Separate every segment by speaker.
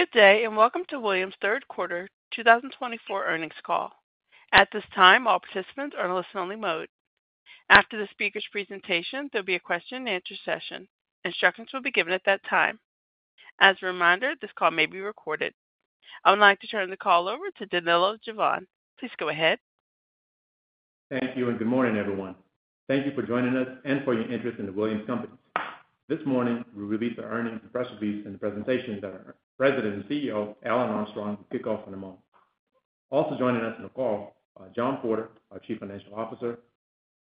Speaker 1: Good day and welcome to Williams' Third Quarter 2024 Earnings Call. At this time, all participants are in a listen-only mode. After the speaker's presentation, there will be a question-and-answer session. Instructions will be given at that time. As a reminder, this call may be recorded. I would like to turn the call over to Danilo Juvane. Please go ahead.
Speaker 2: Thank you and good morning, everyone. Thank you for joining us and for your interest in the Williams Companies. This morning, we released our earnings and press release and the presentation that our President and CEO, Alan Armstrong, will kick off in a moment. Also joining us on the call are John Porter, our Chief Financial Officer,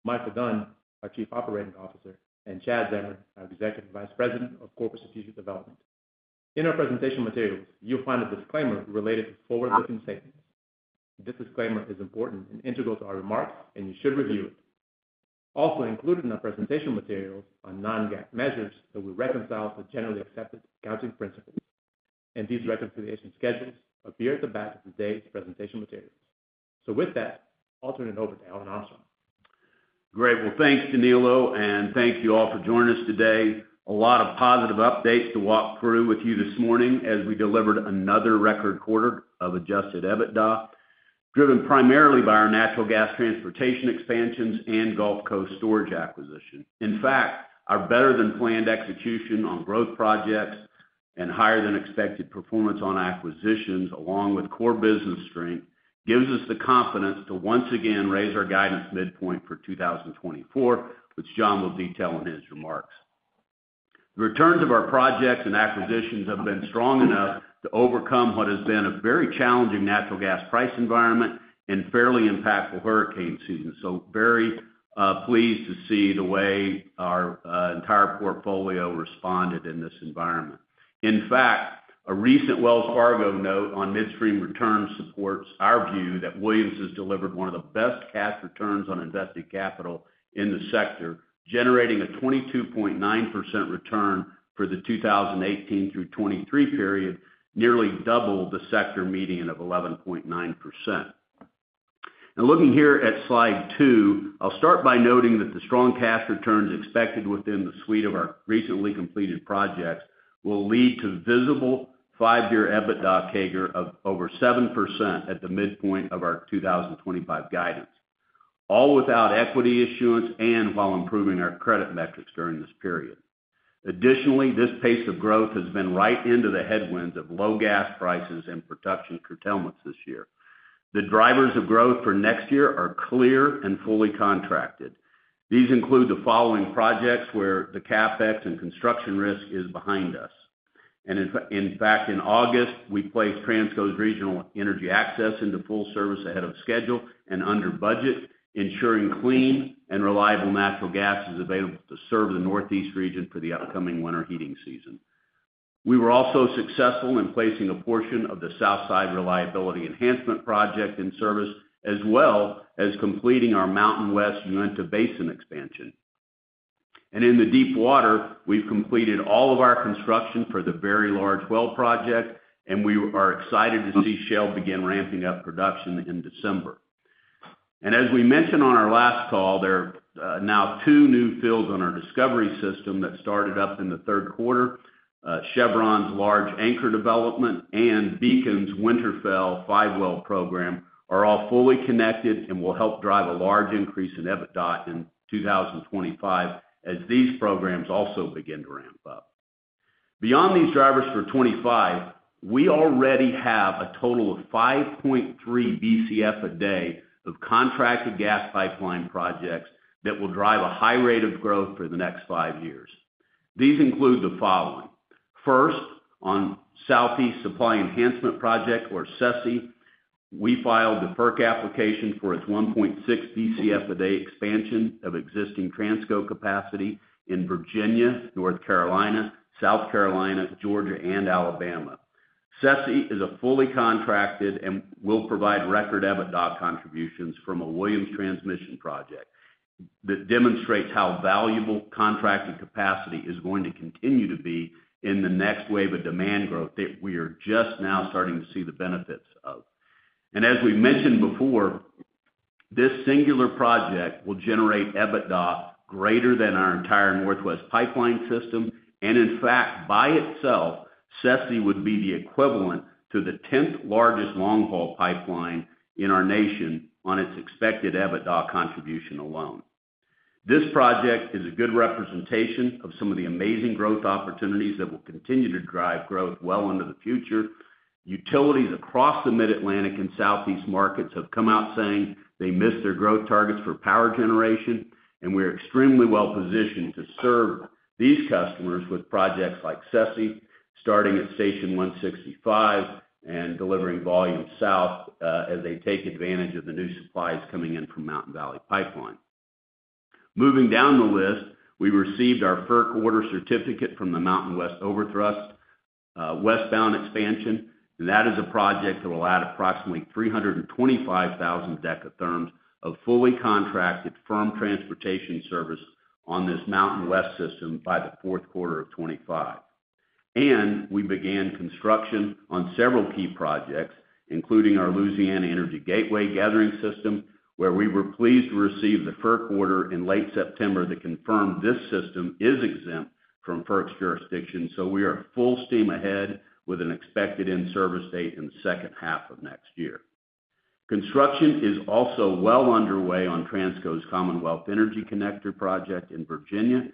Speaker 2: Micheal Dunn, our Chief Operating Officer, and Chad Zamarin, our Executive Vice President of Corporate Strategic Development. In our presentation materials, you'll find a disclaimer related to forward-looking statements. This disclaimer is important and integral to our remarks, and you should review it. Also included in our presentation materials are non-GAAP measures that we reconcile to generally accepted accounting principles, and these reconciliation schedules appear at the back of today's presentation materials, so with that, I'll turn it over to Alan Armstrong.
Speaker 3: Great. Well, thanks, Danilo, and thank you all for joining us today. A lot of positive updates to walk through with you this morning as we delivered another record quarter of adjusted EBITDA, driven primarily by our natural gas transportation expansions and Gulf Coast storage acquisition. In fact, our better-than-planned execution on growth projects and higher-than-expected performance on acquisitions, along with core business strength, gives us the confidence to once again raise our guidance midpoint for 2024, which John will detail in his remarks. The returns of our projects and acquisitions have been strong enough to overcome what has been a very challenging natural gas price environment and fairly impactful hurricane season. So very pleased to see the way our entire portfolio responded in this environment. In fact, a recent Wells Fargo note on midstream returns supports our view that Williams has delivered one of the best cash returns on invested capital in the sector, generating a 22.9% return for the 2018 through 2023 period, nearly double the sector median of 11.9%, and looking here at slide two, I'll start by noting that the strong cash returns expected within the suite of our recently completed projects will lead to visible five-year EBITDA CAGR of over 7% at the midpoint of our 2025 guidance, all without equity issuance and while improving our credit metrics during this period. Additionally, this pace of growth has been right into the headwinds of low gas prices and production curtailments this year. The drivers of growth for next year are clear and fully contracted. These include the following projects where the CapEx and construction risk is behind us. In fact, in August, we placed Transco's Regional Energy Access into full service ahead of schedule and under budget, ensuring clean and reliable natural gas is available to serve the Northeast region for the upcoming winter heating season. We were also successful in placing a portion of the Southside Reliability Enhancement Project in service, as well as completing our MountainWest Uinta Basin expansion. In the deep water, we've completed all of our construction for the Whale Project, and we are excited to see Shell begin ramping up production in December. As we mentioned on our last call, there are now two new fields on our Discovery system that started up in the third quarter. Chevron's Anchor Development and Beacon's Winterfell five-well program are all fully connected and will help drive a large increase in EBITDA in 2025 as these programs also begin to ramp up. Beyond these drivers for 2025, we already have a total of 5.3 BCF a day of contracted gas pipeline projects that will drive a high rate of growth for the next five years. These include the following. First, the Southeast Supply Enhancement Project, or SSEP, we filed the FERC application for its 1.6 BCF a day expansion of existing Transco capacity in Virginia, North Carolina, South Carolina, Georgia, and Alabama. SSEP is fully contracted and will provide record EBITDA contributions from a Williams transmission project that demonstrates how valuable contracted capacity is going to continue to be in the next wave of demand growth that we are just now starting to see the benefits of. As we mentioned before, this singular project will generate EBITDA greater than our entire Northwest Pipeline system. In fact, by itself, SSEP would be the equivalent to the 10th largest long-haul pipeline in our nation on its expected EBITDA contribution alone. This project is a good representation of some of the amazing growth opportunities that will continue to drive growth well into the future. Utilities across the Mid-Atlantic and Southeast markets have come out saying they missed their growth targets for power generation, and we are extremely well positioned to serve these customers with projects like SSEP, starting at Station 165 and delivering volume south as they take advantage of the new supplies coming in from Mountain Valley Pipeline. Moving down the list, we received our FERC order certificate from the MountainWest Overthrust Westbound Expansion, and that is a project that will add approximately 325,000 dekatherms of fully contracted firm transportation service on this MountainWest system by the fourth quarter of 2025. And we began construction on several key projects, including our Louisiana Energy Gateway gathering system, where we were pleased to receive the FERC order in late September that confirmed this system is exempt from FERC's jurisdiction. So we are full steam ahead with an expected in-service date in the second half of next year. Construction is also well underway on Transco's Commonwealth Energy Connector project in Virginia.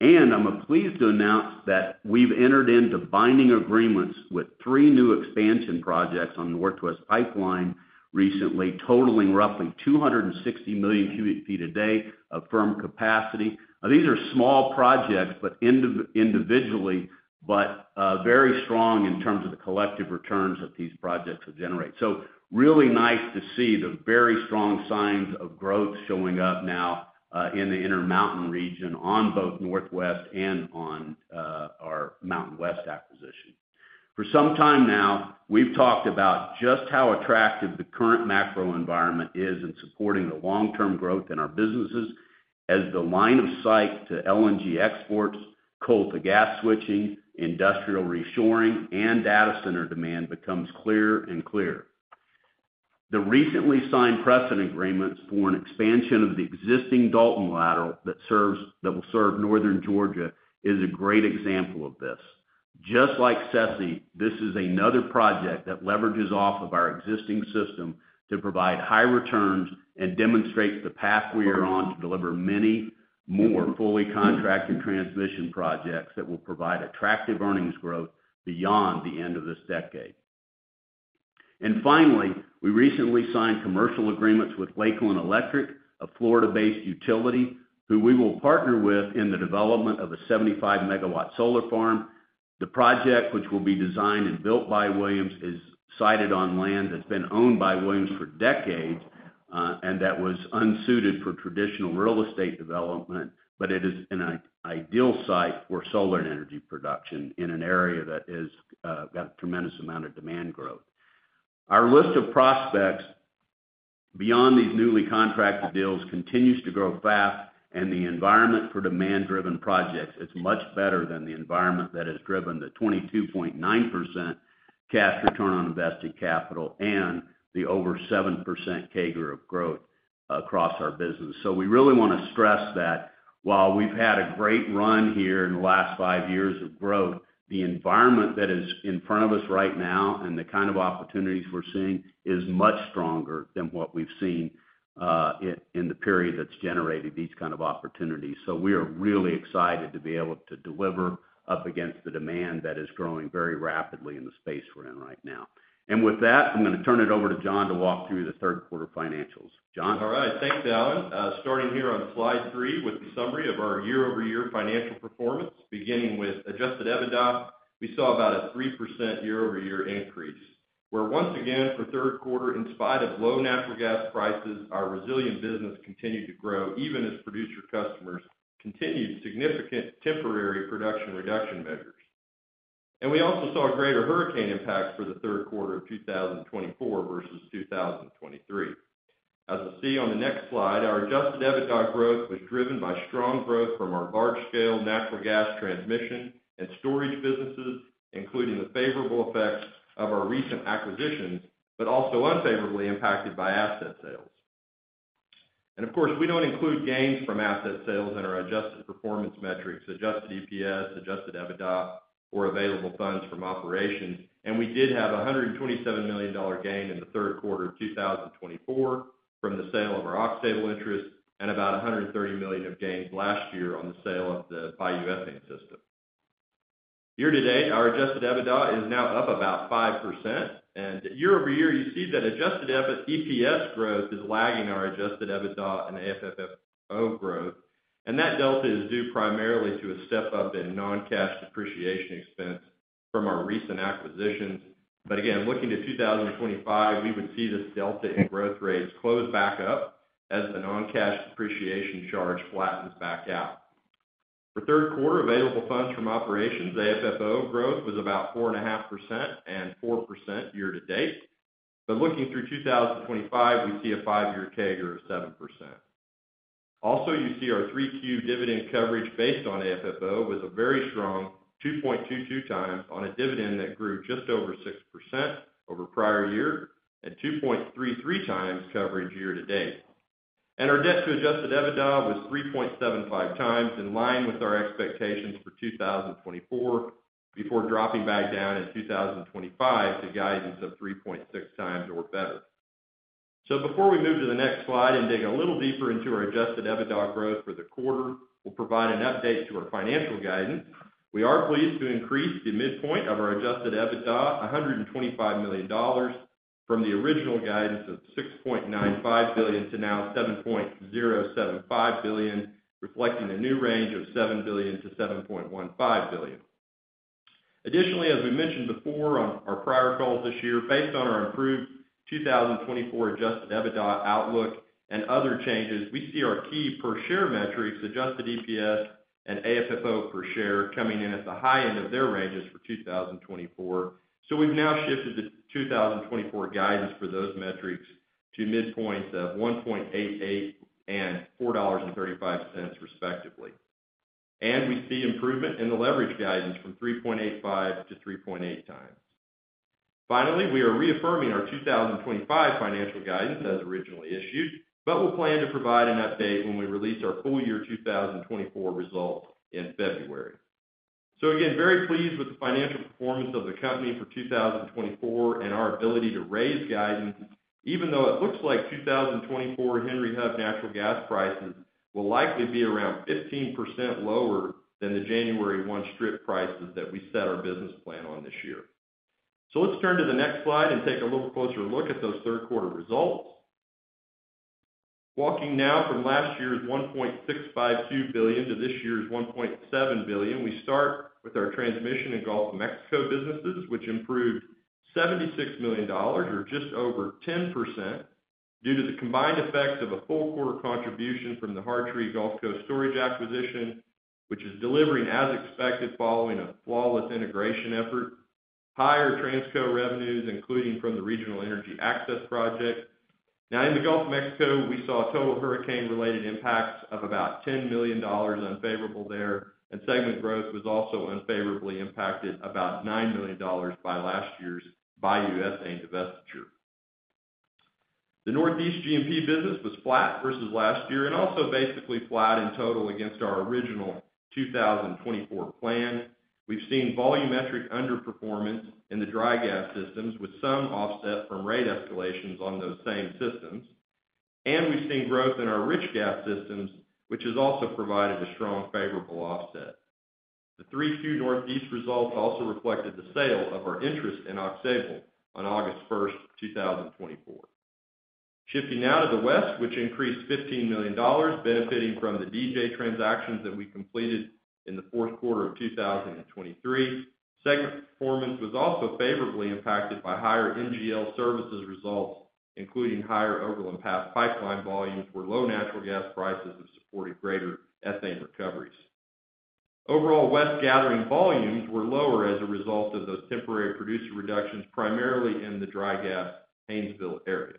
Speaker 3: And I'm pleased to announce that we've entered into binding agreements with three new expansion projects on the Northwest Pipeline recently, totaling roughly 260 million cubic feet a day of firm capacity. These are small projects, but individually, but very strong in terms of the collective returns that these projects will generate. So really nice to see the very strong signs of growth showing up now in the Intermountain region on both Northwest and on our MountainWest acquisition. For some time now, we've talked about just how attractive the current macro environment is in supporting the long-term growth in our businesses as the line of sight to LNG exports, coal-to-gas switching, industrial reshoring, and data center demand becomes clearer and clearer. The recently signed precedent agreements for an expansion of the existing Dalton Lateral that will serve northern Georgia is a great example of this. Just like SSEP, this is another project that leverages off of our existing system to provide high returns and demonstrates the path we are on to deliver many more fully contracted transmission projects that will provide attractive earnings growth beyond the end of this decade, and finally, we recently signed commercial agreements with Lakeland Electric, a Florida-based utility, who we will partner with in the development of a 75-megawatt solar farm. The project, which will be designed and built by Williams, is sited on land that's been owned by Williams for decades and that was unsuited for traditional real estate development, but it is an ideal site for solar and energy production in an area that has got a tremendous amount of demand growth. Our list of prospects beyond these newly contracted deals continues to grow fast, and the environment for demand-driven projects is much better than the environment that has driven the 22.9% cash return on invested capital and the over 7% CAGR of growth across our business. So we really want to stress that while we've had a great run here in the last five years of growth, the environment that is in front of us right now and the kind of opportunities we're seeing is much stronger than what we've seen in the period that's generated these kind of opportunities. So we are really excited to be able to deliver up against the demand that is growing very rapidly in the space we're in right now. And with that, I'm going to turn it over to John to walk through the third quarter financials. John.
Speaker 4: All right. Thanks, Alan. Starting here on slide three with the summary of our year-over-year financial performance, beginning with adjusted EBITDA, we saw about a 3% year-over-year increase, where once again, for third quarter, in spite of low natural gas prices, our resilient business continued to grow even as producer customers continued significant temporary production reduction measures. And we also saw greater hurricane impacts for the third quarter of 2024 versus 2023. As we'll see on the next slide, our adjusted EBITDA growth was driven by strong growth from our large-scale natural gas transmission and storage businesses, including the favorable effects of our recent acquisitions, but also unfavorably impacted by asset sales. And of course, we don't include gains from asset sales in our adjusted performance metrics, adjusted EPS, adjusted EBITDA, or available funds from operations. We did have a $127 million gain in the third quarter of 2024 from the sale of our Aux Sable interest and about $130 million of gains last year on the sale of the Bayou Ethane system. Year to date, our adjusted EBITDA is now up about 5%. And year over year, you see that adjusted EPS growth is lagging our adjusted EBITDA and AFFO growth. And that delta is due primarily to a step up in non-cash depreciation expense from our recent acquisitions. But again, looking to 2025, we would see this delta in growth rates close back up as the non-cash depreciation charge flattens back out. For third quarter, available funds from operations, AFFO growth was about 4.5% and 4% year to date. But looking through 2025, we see a five-year CAGR of 7%. Also, you see our 3Q dividend coverage based on AFFO was a very strong 2.22 times on a dividend that grew just over 6% over prior year, and 2.33 times coverage year to date, and our debt to Adjusted EBITDA was 3.75 times, in line with our expectations for 2024, before dropping back down in 2025 to guidance of 3.6 times or better, so before we move to the next slide and dig a little deeper into our Adjusted EBITDA growth for the quarter, we'll provide an update to our financial guidance. We are pleased to increase the midpoint of our Adjusted EBITDA $125 million from the original guidance of $6.95 billion to now $7.075 billion, reflecting a new range of $7 billion-$7.15 billion. Additionally, as we mentioned before on our prior calls this year, based on our improved 2024 Adjusted EBITDA outlook and other changes, we see our key per share metrics, adjusted EPS and AFFO per share, coming in at the high end of their ranges for 2024. So we've now shifted the 2024 guidance for those metrics to midpoints of $1.88 and $4.35 respectively. And we see improvement in the leverage guidance from 3.85-3.8 times. Finally, we are reaffirming our 2025 financial guidance as originally issued, but we'll plan to provide an update when we release our full year 2024 results in February. So again, very pleased with the financial performance of the company for 2024 and our ability to raise guidance, even though it looks like 2024 Henry Hub natural gas prices will likely be around 15% lower than the January one strip prices that we set our business plan on this year. So let's turn to the next slide and take a little closer look at those third quarter results. Walking now from last year's $1.652 billion to this year's $1.7 billion, we start with our transmission and Gulf of Mexico businesses, which improved $76 million, or just over 10%, due to the combined effects of a full quarter contribution from the Hartree Gulf Coast storage acquisition, which is delivering as expected following a flawless integration effort. Higher Transco revenues, including from the Regional Energy Access project. Now, in the Gulf of Mexico, we saw total hurricane-related impacts of about $10 million unfavorable there, and segment growth was also unfavorably impacted about $9 million by last year's Bayou Ethane divestiture. The Northeast G&P business was flat versus last year and also basically flat in total against our original 2024 plan. We've seen volumetric underperformance in the dry gas systems with some offset from rate escalations on those same systems. And we've seen growth in our rich gas systems, which has also provided a strong favorable offset. The 3Q Northeast results also reflected the sale of our interest in Aux Sable on August 1st, 2024. Shifting now to the West, which increased $15 million, benefiting from the DJ transactions that we completed in the fourth quarter of 2023. Segment performance was also favorably impacted by higher NGL services results, including higher Overland Pass Pipeline volumes for low natural gas prices that supported greater ethane recoveries. Overall, West gathering volumes were lower as a result of those temporary producer reductions, primarily in the dry gas Haynesville area.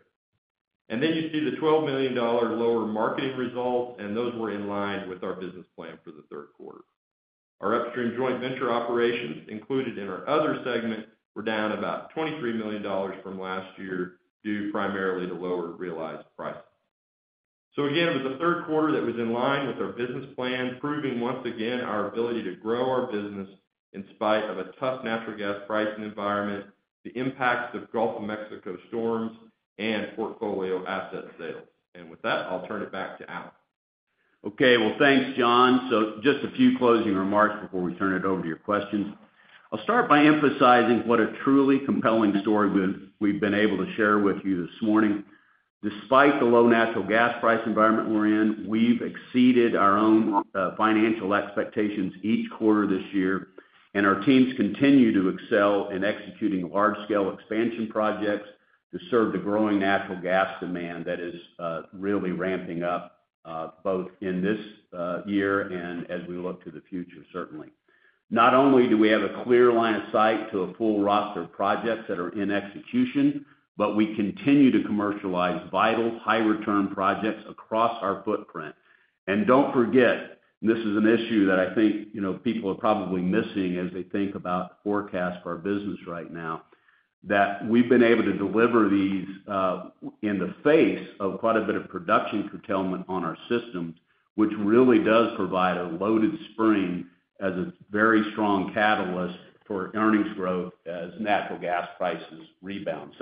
Speaker 4: And then you see the $12 million lower marketing results, and those were in line with our business plan for the third quarter. Our upstream joint venture operations, included in our other segment, were down about $23 million from last year due primarily to lower realized prices. So again, it was the third quarter that was in line with our business plan, proving once again our ability to grow our business in spite of a tough natural gas pricing environment, the impacts of Gulf of Mexico storms, and portfolio asset sales. And with that, I'll turn it back to Alan.
Speaker 3: Okay. Well, thanks, John. So just a few closing remarks before we turn it over to your questions. I'll start by emphasizing what a truly compelling story we've been able to share with you this morning. Despite the low natural gas price environment we're in, we've exceeded our own financial expectations each quarter this year, and our teams continue to excel in executing large-scale expansion projects to serve the growing natural gas demand that is really ramping up both in this year and as we look to the future, certainly. Not only do we have a clear line of sight to a full roster of projects that are in execution, but we continue to commercialize vital, high-return projects across our footprint. Don't forget, and this is an issue that I think people are probably missing as they think about the forecast for our business right now, that we've been able to deliver these in the face of quite a bit of production curtailment on our systems, which really does provide a loaded spring as a very strong catalyst for earnings growth as natural gas prices rebound.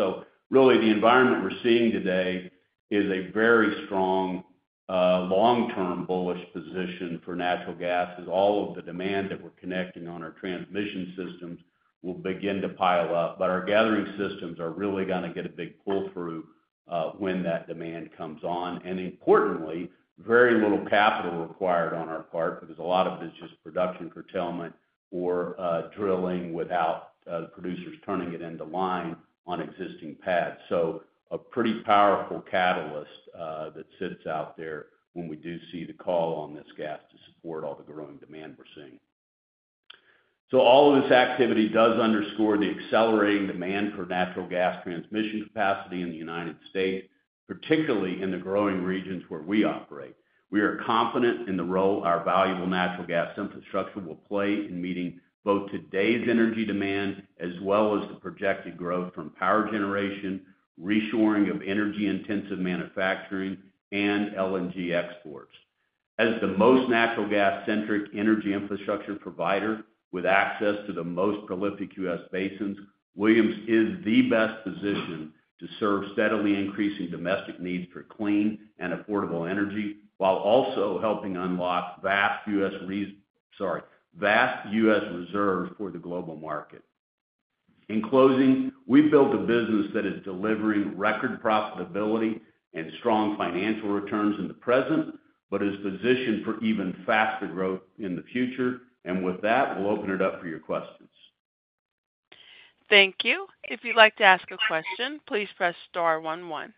Speaker 3: Really, the environment we're seeing today is a very strong long-term bullish position for natural gas as all of the demand that we're connecting on our transmission systems will begin to pile up. Our gathering systems are really going to get a big pull-through when that demand comes on. Importantly, very little capital required on our part because a lot of it is just production curtailment or drilling without producers turning it into line on existing pads. So a pretty powerful catalyst that sits out there when we do see the call on this gas to support all the growing demand we're seeing. So all of this activity does underscore the accelerating demand for natural gas transmission capacity in the United States, particularly in the growing regions where we operate. We are confident in the role our valuable natural gas infrastructure will play in meeting both today's energy demand as well as the projected growth from power generation, reshoring of energy-intensive manufacturing, and LNG exports. As the most natural gas-centric energy infrastructure provider with access to the most prolific U.S. basins, Williams is the best position to serve steadily increasing domestic needs for clean and affordable energy while also helping unlock vast U.S. reserves for the global market. In closing, we've built a business that is delivering record profitability and strong financial returns in the present, but is positioned for even faster growth in the future, and with that, we'll open it up for your questions.
Speaker 1: Thank you. If you'd like to ask a question, please press star one one.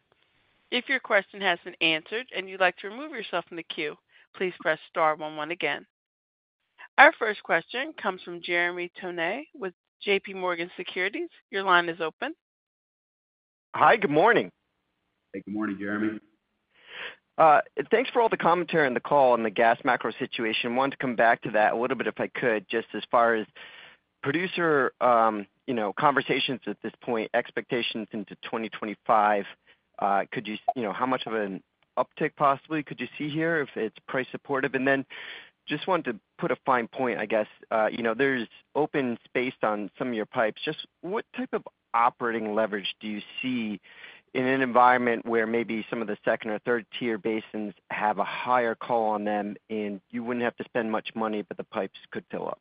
Speaker 1: If your question hasn't answered and you'd like to remove yourself from the queue, please press star one one again. Our first question comes from Jeremy Tonet with J.P. Morgan Securities. Your line is open.
Speaker 5: Hi. Good morning.
Speaker 3: Hey. Good morning, Jeremy.
Speaker 5: Thanks for all the commentary on the call and the gas macro situation. I wanted to come back to that a little bit if I could, just as far as producer conversations at this point, expectations into 2025. How much of an uptick possibly could you see here if it's price supportive? And then just wanted to put a fine point, I guess. There's open space on some of your pipes. Just what type of operating leverage do you see in an environment where maybe some of the second or third-tier basins have a higher call on them and you wouldn't have to spend much money, but the pipes could fill up?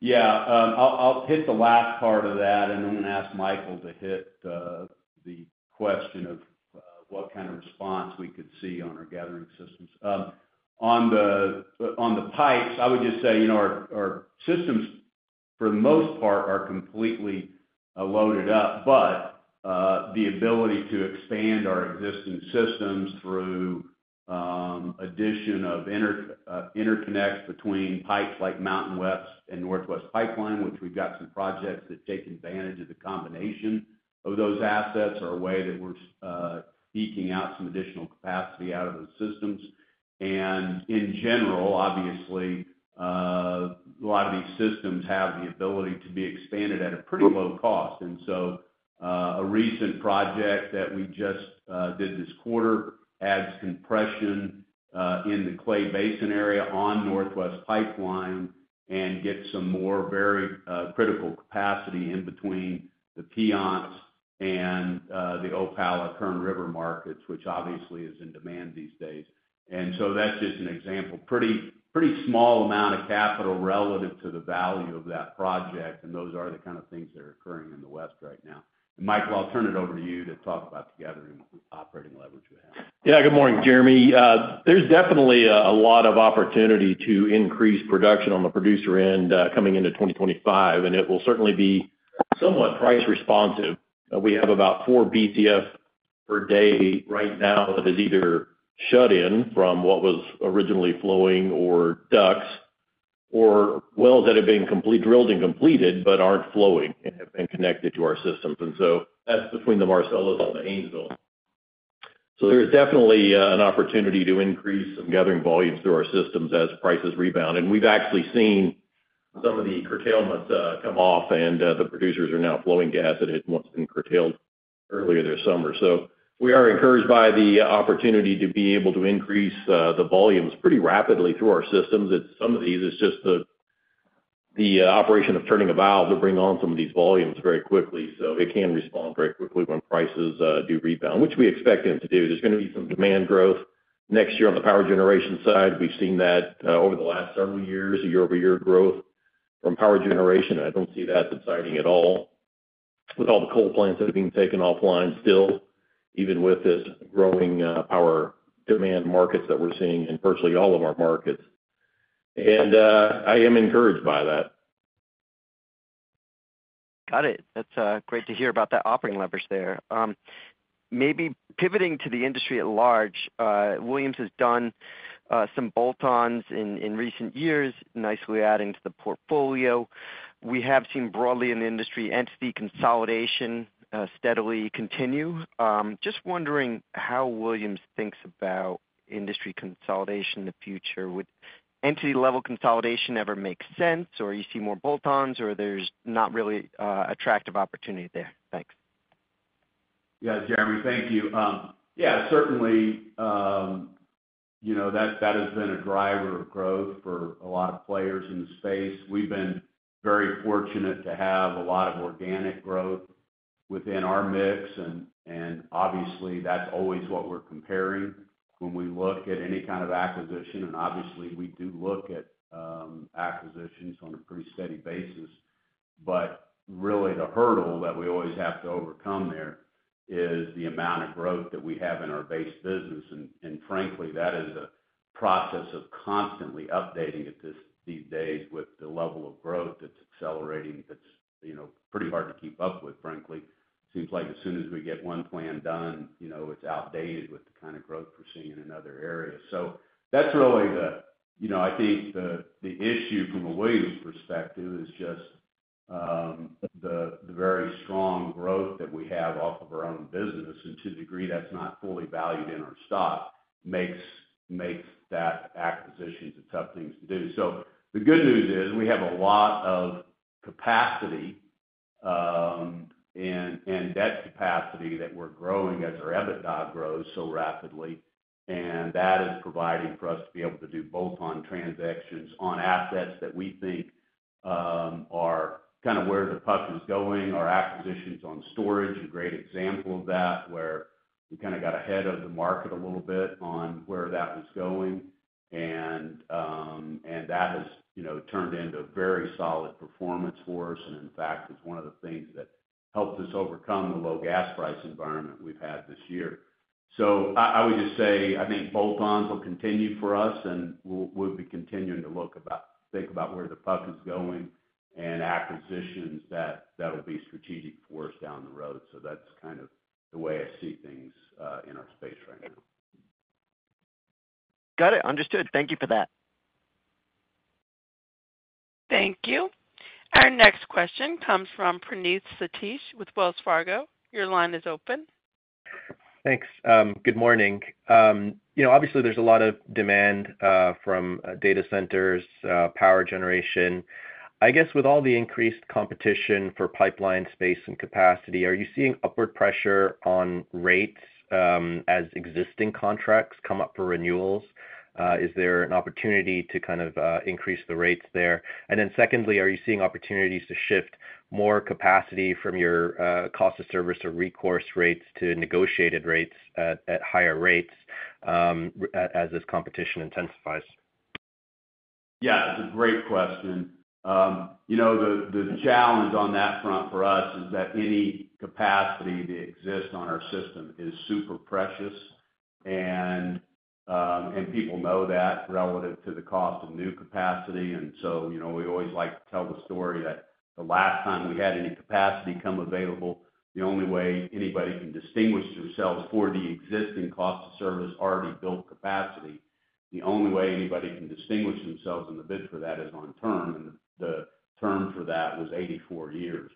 Speaker 3: Yeah. I'll hit the last part of that, and I'm going to ask Micheal to hit the question of what kind of response we could see on our gathering systems. On the pipes, I would just say our systems, for the most part, are completely loaded up, but the ability to expand our existing systems through addition of interconnects between pipes like Mountain West and Northwest Pipeline, which we've got some projects that take advantage of the combination of those assets, are a way that we're eking out some additional capacity out of those systems. And in general, obviously, a lot of these systems have the ability to be expanded at a pretty low cost. And so a recent project that we just did this quarter adds compression in the Clay Basin area on Northwest Pipeline and gets some more very critical capacity in between the Piceance and the Opal Kern River markets, which obviously is in demand these days. And so that's just an example. Pretty small amount of capital relative to the value of that project, and those are the kind of things that are occurring in the West right now. And Micheal, I'll turn it over to you to talk about the gathering operating leverage we have.
Speaker 6: Yeah. Good morning, Jeremy. There's definitely a lot of opportunity to increase production on the producer end coming into 2025, and it will certainly be somewhat price responsive. We have about four BCF per day right now that is either shut in from what was originally flowing or DUCs or wells that have been drilled and completed but aren't flowing and have been connected to our systems. And so that's between the Marcellus and the Haynesville. So there is definitely an opportunity to increase some gathering volumes through our systems as prices rebound. And we've actually seen some of the curtailments come off, and the producers are now flowing gas at rates once it was curtailed earlier this summer. So we are encouraged by the opportunity to be able to increase the volumes pretty rapidly through our systems. Some of these is just the operation of turning a valve to bring on some of these volumes very quickly. So it can respond very quickly when prices do rebound, which we expect them to do. There's going to be some demand growth next year on the power generation side. We've seen that over the last several years, year-over-year growth from power generation. I don't see that subsiding at all with all the coal plants that have been taken offline still, even with this growing power demand markets that we're seeing in virtually all of our markets. And I am encouraged by that.
Speaker 5: Got it. That's great to hear about that operating leverage there. Maybe pivoting to the industry at large, Williams has done some bolt-ons in recent years, nicely adding to the portfolio. We have seen broadly in the industry entity consolidation steadily continue. Just wondering how Williams thinks about industry consolidation in the future. Would entity-level consolidation ever make sense, or you see more bolt-ons, or there's not really attractive opportunity there? Thanks.
Speaker 3: Yeah, Jeremy, thank you. Yeah, certainly that has been a driver of growth for a lot of players in the space. We've been very fortunate to have a lot of organic growth within our mix, and obviously, that's always what we're comparing when we look at any kind of acquisition. And obviously, we do look at acquisitions on a pretty steady basis. But really, the hurdle that we always have to overcome there is the amount of growth that we have in our base business. And frankly, that is a process of constantly updating these days with the level of growth that's accelerating that's pretty hard to keep up with, frankly. Seems like as soon as we get one plan done, it's outdated with the kind of growth we're seeing in another area. So that's really, I think, the issue from a Williams perspective, just the very strong growth that we have off of our own business, and to a degree, that's not fully valued in our stock, makes that acquisition the tough thing to do, so the good news is we have a lot of capacity and debt capacity that we're growing as our EBITDA grows so rapidly, and that is providing for us to be able to do bolt-on transactions on assets that we think are kind of where the puck is going. Our acquisitions on storage are a great example of that, where we kind of got ahead of the market a little bit on where that was going. And that has turned into very solid performance for us and, in fact, is one of the things that helped us overcome the low gas price environment we've had this year. So I would just say I think bolt-ons will continue for us, and we'll be continuing to think about where the puck is going and acquisitions that'll be strategic for us down the road. So that's kind of the way I see things in our space right now.
Speaker 5: Got it. Understood. Thank you for that.
Speaker 1: Thank you. Our next question comes from Praneeth Satish with Wells Fargo. Your line is open.
Speaker 7: Thanks. Good morning. Obviously, there's a lot of demand from data centers, power generation. I guess with all the increased competition for pipeline space and capacity, are you seeing upward pressure on rates as existing contracts come up for renewals? Is there an opportunity to kind of increase the rates there? And then secondly, are you seeing opportunities to shift more capacity from your cost of service or recourse rates to negotiated rates at higher rates as this competition intensifies?
Speaker 3: Yeah. It's a great question. The challenge on that front for us is that any capacity that exists on our system is super precious, and people know that relative to the cost of new capacity. And so we always like to tell the story that the last time we had any capacity come available, the only way anybody can distinguish themselves for the existing cost of service already built capacity, the only way anybody can distinguish themselves in the bid for that is on term. And the term for that was 84 years.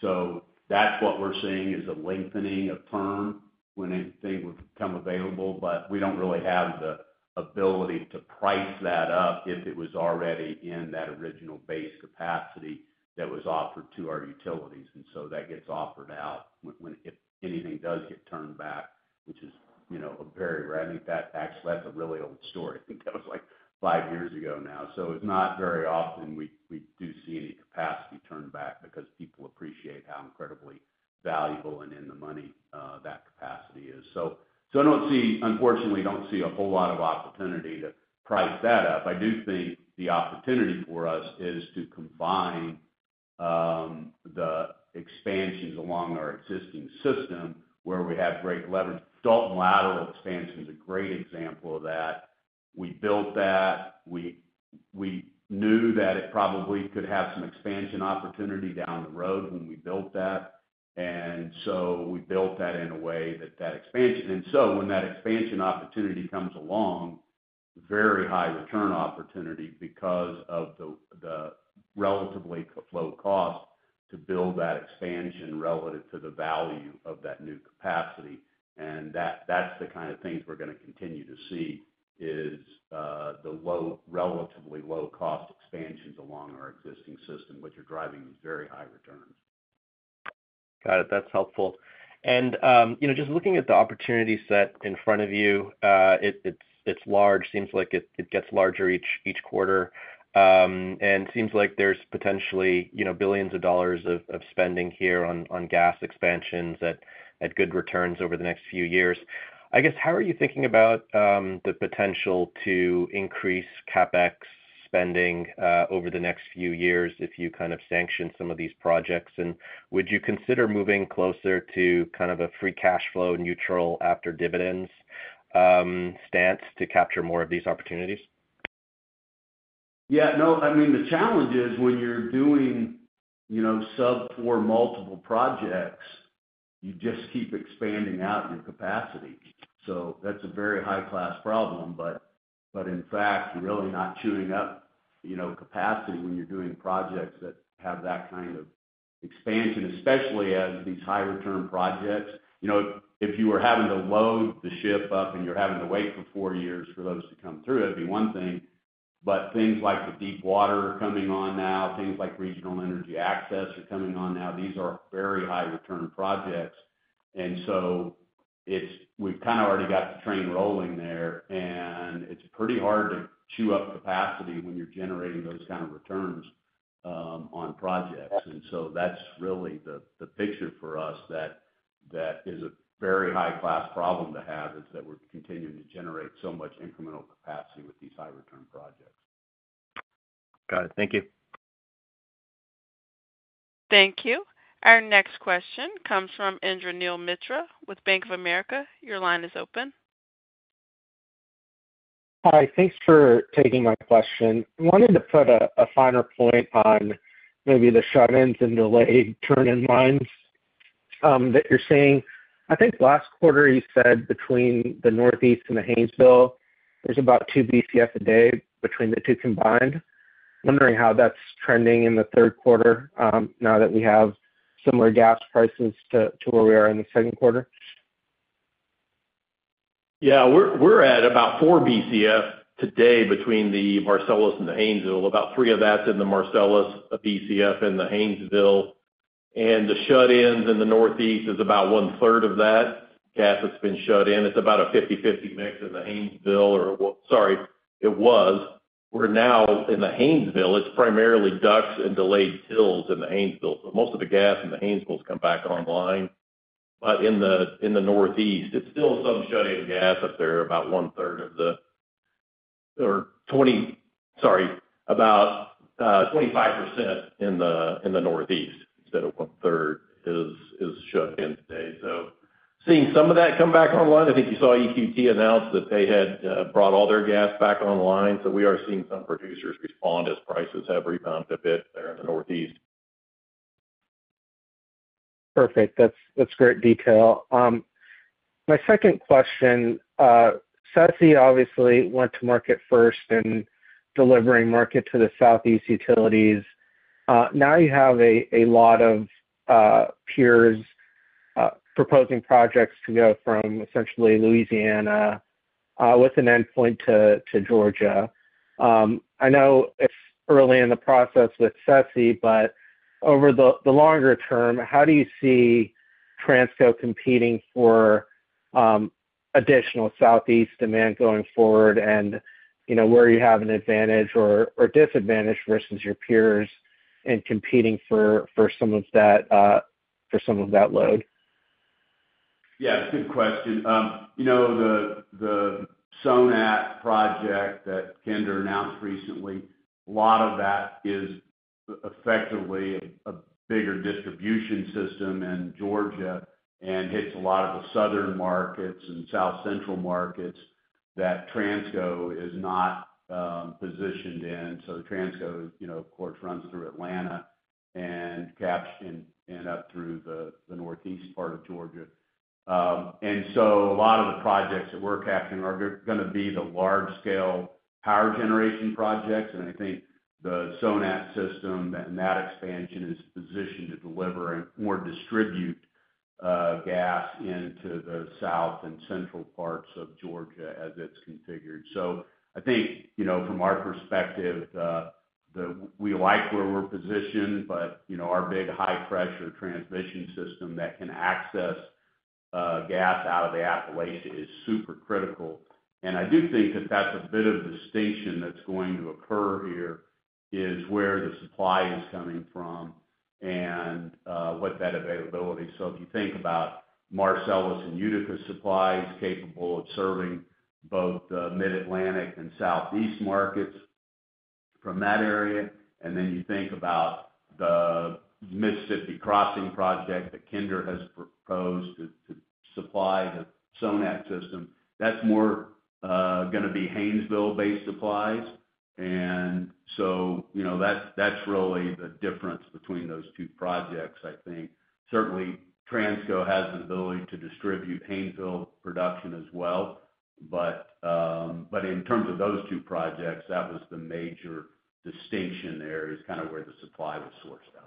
Speaker 3: So that's what we're seeing is a lengthening of term when anything would become available, but we don't really have the ability to price that up if it was already in that original base capacity that was offered to our utilities. And so that gets offered out if anything does get turned back, which is a very rare. I think that actually that's a really old story. I think that was like five years ago now. So it's not very often we do see any capacity turned back because people appreciate how incredibly valuable and in the money that capacity is. So unfortunately, I don't see a whole lot of opportunity to price that up. I do think the opportunity for us is to combine the expansions along our existing system where we have great leverage. Dalton Lateral expansion is a great example of that. We built that. We knew that it probably could have some expansion opportunity down the road when we built that. And so we built that in a way that that expansion, and so when that expansion opportunity comes along, very high return opportunity because of the relatively low cost to build that expansion relative to the value of that new capacity. And that's the kind of things we're going to continue to see is the relatively low-cost expansions along our existing system, which are driving these very high returns.
Speaker 7: Got it. That's helpful. And just looking at the opportunity set in front of you, it's large. Seems like it gets larger each quarter. And it seems like there's potentially billions of dollars of spending here on gas expansions at good returns over the next few years. I guess, how are you thinking about the potential to increase CapEx spending over the next few years if you kind of sanction some of these projects? And would you consider moving closer to kind of a free cash flow neutral after dividends stance to capture more of these opportunities?
Speaker 3: Yeah. No, I mean, the challenge is when you're doing sub-4 multiple projects, you just keep expanding out your capacity. So that's a very high-class problem. But in fact, you're really not chewing up capacity when you're doing projects that have that kind of expansion, especially as these high-return projects. If you were having to load the ship up and you're having to wait for four years for those to come through, that'd be one thing. But things like the deepwater are coming on now. Things like Regional Energy Access are coming on now. These are very high-return projects. And so we've kind of already got the train rolling there. And it's pretty hard to chew up capacity when you're generating those kind of returns on projects. And so that's really the picture for us. That is a very high-class problem to have, that we're continuing to generate so much incremental capacity with these high-return projects.
Speaker 7: Got it. Thank you.
Speaker 1: Thank you. Our next question comes from Indraneel Mitra with Bank of America. Your line is open.
Speaker 8: Hi. Thanks for taking my question. I wanted to put a finer point on maybe the shut-ins and delayed turn-in lines that you're seeing. I think last quarter, you said between the Northeast and the Haynesville, there's about two BCF a day between the two combined. I'm wondering how that's trending in the third quarter now that we have similar gas prices to where we are in the second quarter.
Speaker 6: Yeah. We're at about 4 BCF today between the Marcellus and the Haynesville. About 3 of that's in the Marcellus, 1 BCF in the Haynesville. And the shut-ins in the Northeast is about one-third of that gas that's been shut in. It's about a 50/50 mix in the Haynesville or, sorry, it was. We're now in the Haynesville. It's primarily DUCs and delayed wells in the Haynesville. So most of the gas in the Haynesville has come back online. But in the Northeast, it's still some shut-in gas up there, about one-third of the, sorry, about 25% in the Northeast instead of one-third is shut in today. So seeing some of that come back online. I think you saw EQT announce that they had brought all their gas back online. So we are seeing some producers respond as prices have rebounded a bit there in the Northeast.
Speaker 8: Perfect. That's great detail. My second question, SSEP obviously went to market first in delivering market to the Southeast utilities. Now you have a lot of peers proposing projects to go from essentially Louisiana with an endpoint to Georgia. I know it's early in the process with SSEP, but over the longer term, how do you see Transco competing for additional Southeast demand going forward and where you have an advantage or disadvantage versus your peers and competing for some of that load?
Speaker 3: Yeah. Good question. The SONAT project that Kinder Morgan announced recently, a lot of that is effectively a bigger distribution system in Georgia and hits a lot of the southern markets and south-central markets that Transco is not positioned in. So Transco, of course, runs through Atlanta and up through the northeast part of Georgia. And so a lot of the projects that we're capturing are going to be the large-scale power generation projects. And I think the SONAT system and that expansion is positioned to deliver and more distribute gas into the south and central parts of Georgia as it's configured. So I think from our perspective, we like where we're positioned, but our big high-pressure transmission system that can access gas out of the Appalachia is super critical. And I do think that that's a bit of distinction that's going to occur here is where the supply is coming from and what that availability is. So if you think about Marcellus and Utica supplies capable of serving both the Mid-Atlantic and Southeast markets from that area, and then you think about the Mississippi Crossing project that Kinder Morgan has proposed to supply the SONAT system, that's more going to be Haynesville-based supplies. And so that's really the difference between those two projects, I think. Certainly, Transco has the ability to distribute Haynesville production as well. But in terms of those two projects, that was the major distinction there is kind of where the supply was sourced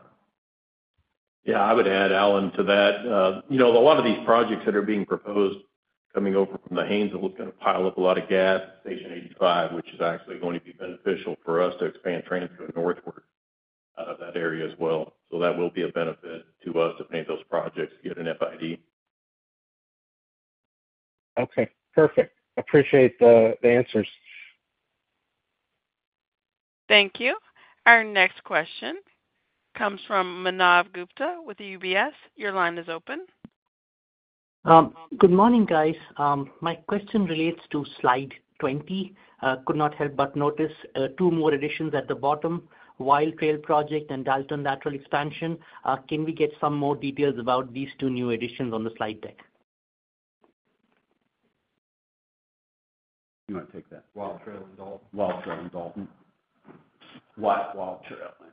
Speaker 3: out of.
Speaker 6: Yeah. I would add, Alan, to that. A lot of these projects that are being proposed coming over from the Haynesville are going to pile up a lot of gas at Station 85, which is actually going to be beneficial for us to expand Transco northward out of that area as well. So that will be a benefit to us to make those projects get an FID.
Speaker 8: Okay. Perfect. Appreciate the answers.
Speaker 1: Thank you. Our next question comes from Manav Gupta with UBS. Your line is open.
Speaker 9: Good morning, guys. My question relates to slide 20. Could not help but notice two more additions at the bottom, Wild Trail Expansion and Dalton Lateral expansion. Can we get some more details about these two new additions on the slide deck?
Speaker 3: You want to take that. Wild Trail and Dalton.
Speaker 6: Wild Trail and Dalton.
Speaker 3: Wild trail.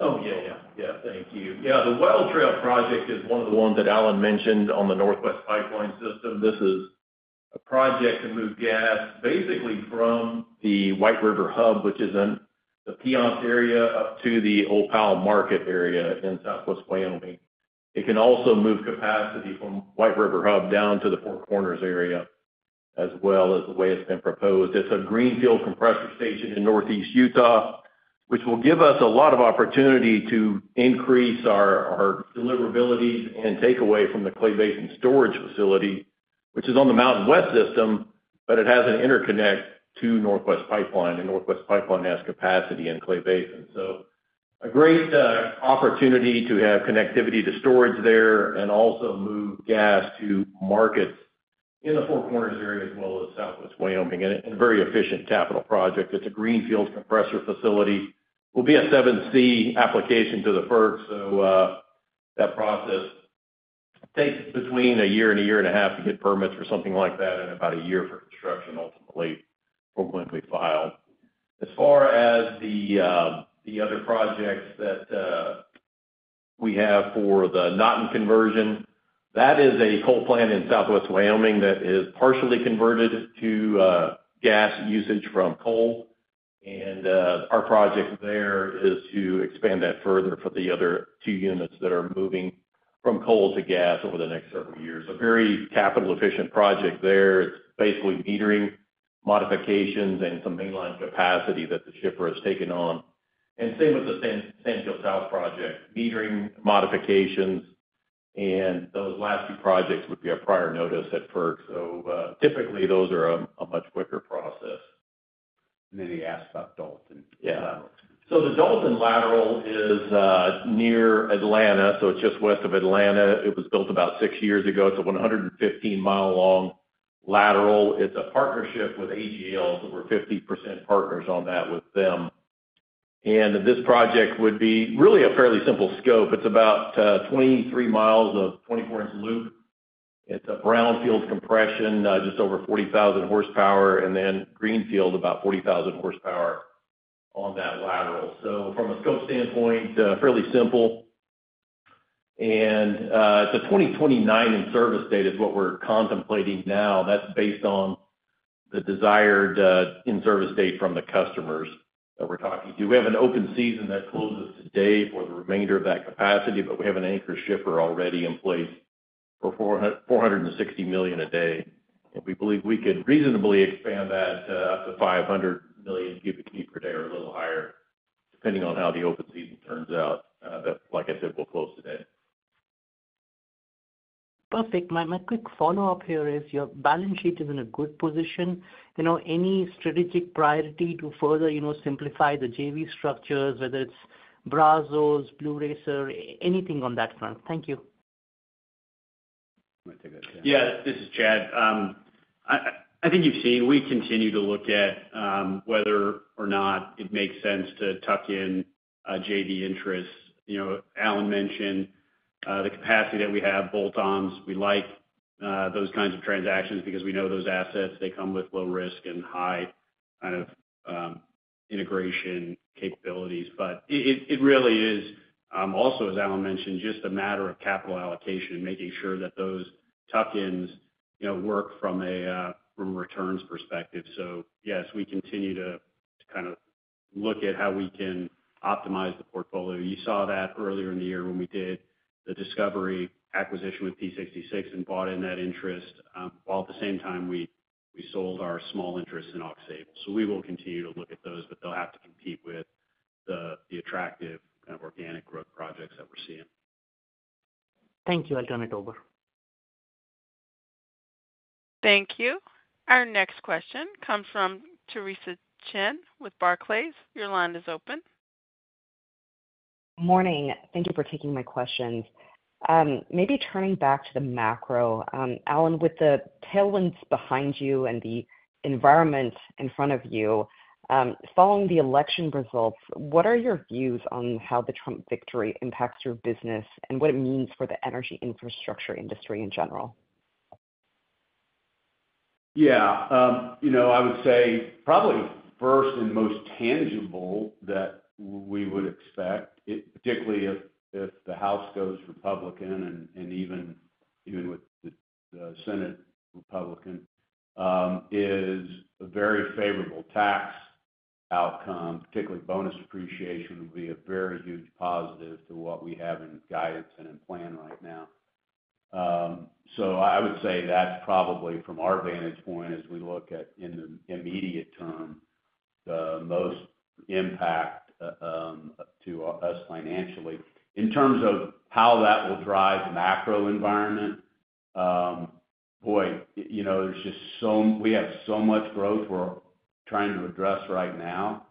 Speaker 6: Oh, yeah, yeah. Yeah. Thank you. Yeah. The Wild Trail project is one of the ones that Alan mentioned on the Northwest Pipeline system. This is a project to move gas basically from the White River Hub, which is in the Piceance area up to the Opal market area in Southwest Wyoming. It can also move capacity from White River Hub down to the Four Corners area as well as the way it's been proposed. It's a greenfield compressor station in Northeast Utah, which will give us a lot of opportunity to increase our deliverability and take away from the Clay Basin storage facility, which is on the MountainWest system, but it has an interconnect to Northwest Pipeline and Northwest Pipeline has capacity in Clay Basin. So a great opportunity to have connectivity to storage there and also move gas to markets in the Four Corners area as well as Southwest Wyoming. And a very efficient capital project. It's a greenfield compressor facility. Will be a 7(c) application to the FERC, so that process takes between a year and a year and a half to get permits or something like that and about a year for construction ultimately for when we file. As far as the other projects that we have for the Naughton conversion, that is a coal plant in Southwest Wyoming that is partially converted to gas usage from coal. And our project there is to expand that further for the other two units that are moving from coal to gas over the next several years. A very capital-efficient project there. It's basically metering modifications and some mainline capacity that the shipper has taken on, and same with the Sand Hill South project, metering modifications, and those last two projects would be our prior notice at FERC, so typically, those are a much quicker process.
Speaker 3: Then he asked about Dalton.
Speaker 6: Yeah. So the Dalton Lateral is near Atlanta. So it's just west of Atlanta. It was built about six years ago. It's a 115-mile-long lateral. It's a partnership with AGL. So we're 50% partners on that with them. And this project would be really a fairly simple scope. It's about 23 miles of 24-inch loop. It's a brownfield compression, just over 40,000 horsepower, and then greenfield, about 40,000 horsepower on that lateral. So from a scope standpoint, fairly simple. And the 2029 in-service date is what we're contemplating now. That's based on the desired in-service date from the customers that we're talking to. We have an open season that closes today for the remainder of that capacity, but we have an anchor shipper already in place for 460 million a day. We believe we could reasonably expand that up to 500 million cubic feet per day or a little higher, depending on how the open season turns out. Like I said, we'll close today.
Speaker 9: Perfect. My quick follow-up here is your balance sheet is in a good position. Any strategic priority to further simplify the JV structures, whether it's Brazos, Blue Racer, anything on that front? Thank you.
Speaker 10: I'm going to take that. Yeah. This is Chad. I think you've seen we continue to look at whether or not it makes sense to tuck in JV interests. Alan mentioned the capacity that we have, bolt-ons. We like those kinds of transactions because we know those assets. They come with low risk and high kind of integration capabilities. But it really is, also as Alan mentioned, just a matter of capital allocation and making sure that those tuck-ins work from a returns perspective. So yes, we continue to kind of look at how we can optimize the portfolio. You saw that earlier in the year when we did the Discovery acquisition with P66 and bought in that interest, while at the same time, we sold our small interests in Aux Sable. So we will continue to look at those, but they'll have to compete with the attractive kind of organic growth projects that we're seeing.
Speaker 9: Thank you. I'll turn it over.
Speaker 1: Thank you. Our next question comes from Theresa Chen with Barclays. Your line is open.
Speaker 11: Morning. Thank you for taking my questions. Maybe turning back to the macro. Alan, with the tailwinds behind you and the environment in front of you, following the election results, what are your views on how the Trump victory impacts your business and what it means for the energy infrastructure industry in general?
Speaker 3: Yeah. I would say probably first and most tangible that we would expect, particularly if the House goes Republican and even with the Senate Republican, is a very favorable tax outcome. Particularly, bonus appreciation would be a very huge positive to what we have in guidance and in plan right now. So I would say that's probably from our vantage point as we look at in the immediate term, the most impact to us financially. In terms of how that will drive the macro environment, boy, there's just so we have so much growth we're trying to address right now.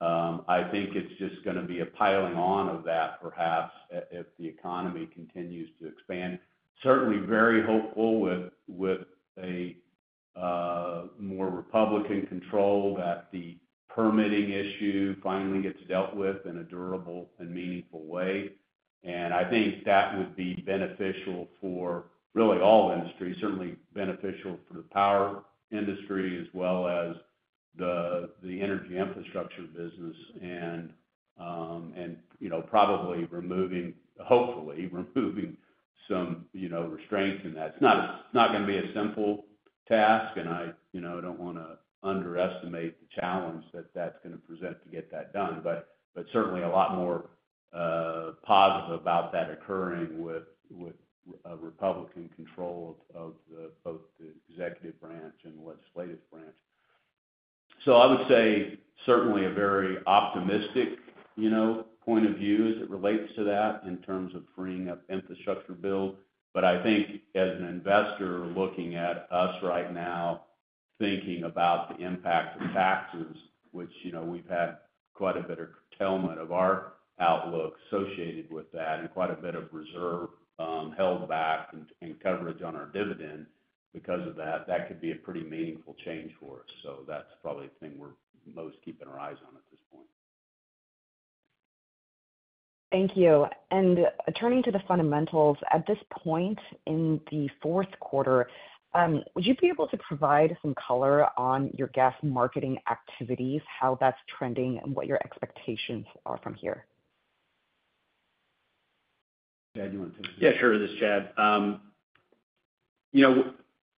Speaker 3: I think it's just going to be a piling on of that perhaps if the economy continues to expand. Certainly, very hopeful with a more Republican control that the permitting issue finally gets dealt with in a durable and meaningful way. And I think that would be beneficial for really all industries, certainly beneficial for the power industry as well as the energy infrastructure business and probably hopefully removing some restraints in that. It's not going to be a simple task, and I don't want to underestimate the challenge that that's going to present to get that done. But certainly, a lot more positive about that occurring with Republican control of both the executive branch and the legislative branch. So I would say certainly a very optimistic point of view as it relates to that in terms of freeing up infrastructure build. But I think as an investor looking at us right now, thinking about the impact of taxes, which we've had quite a bit of curtailment of our outlook associated with that and quite a bit of reserve held back and coverage on our dividend because of that, that could be a pretty meaningful change for us. So that's probably the thing we're most keeping our eyes on at this point.
Speaker 11: Thank you, and turning to the fundamentals, at this point in the fourth quarter, would you be able to provide some color on your gas marketing activities, how that's trending, and what your expectations are from here?
Speaker 6: Chad, you want to take this?
Speaker 10: Yeah. Sure, this is Chad.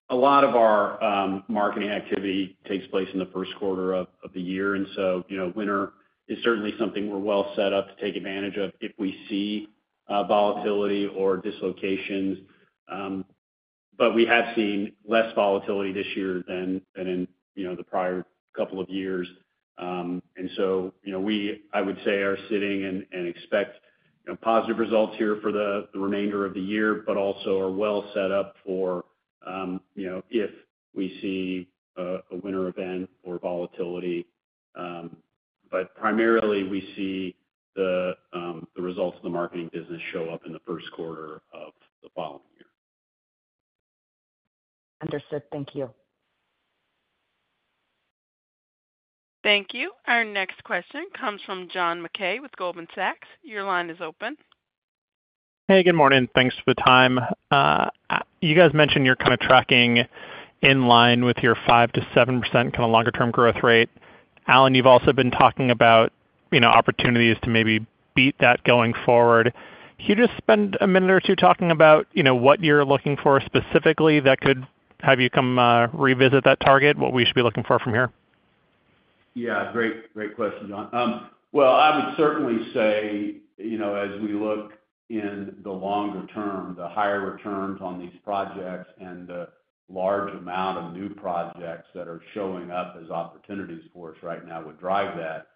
Speaker 10: A lot of our marketing activity takes place in the first quarter of the year, and so winter is certainly something we're well set up to take advantage of if we see volatility or dislocations, but we have seen less volatility this year than in the prior couple of years, and so we, I would say, are sitting and expect positive results here for the remainder of the year, but also are well set up for if we see a winter event or volatility, but primarily, we see the results of the marketing business show up in the first quarter of the following year.
Speaker 11: Understood. Thank you.
Speaker 1: Thank you. Our next question comes from John Mackay with Goldman Sachs. Your line is open.
Speaker 12: Hey, good morning. Thanks for the time. You guys mentioned you're kind of tracking in line with your 5%-7% kind of longer-term growth rate. Alan, you've also been talking about opportunities to maybe beat that going forward. Can you just spend a minute or two talking about what you're looking for specifically that could have you come revisit that target, what we should be looking for from here?
Speaker 3: Yeah. Great question, John. Well, I would certainly say as we look in the longer term, the higher returns on these projects and the large amount of new projects that are showing up as opportunities for us right now would drive that.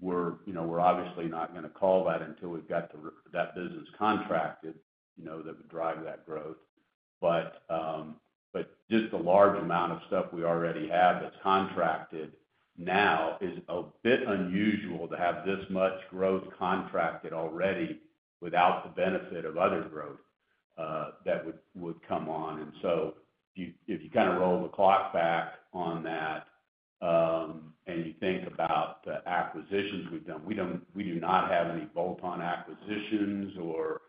Speaker 3: We're obviously not going to call that until we've got that business contracted that would drive that growth. But just the large amount of stuff we already have that's contracted now is a bit unusual to have this much growth contracted already without the benefit of other growth that would come on. And so if you kind of roll the clock back on that and you think about the acquisitions we've done, we do not have any bolt-on acquisitions or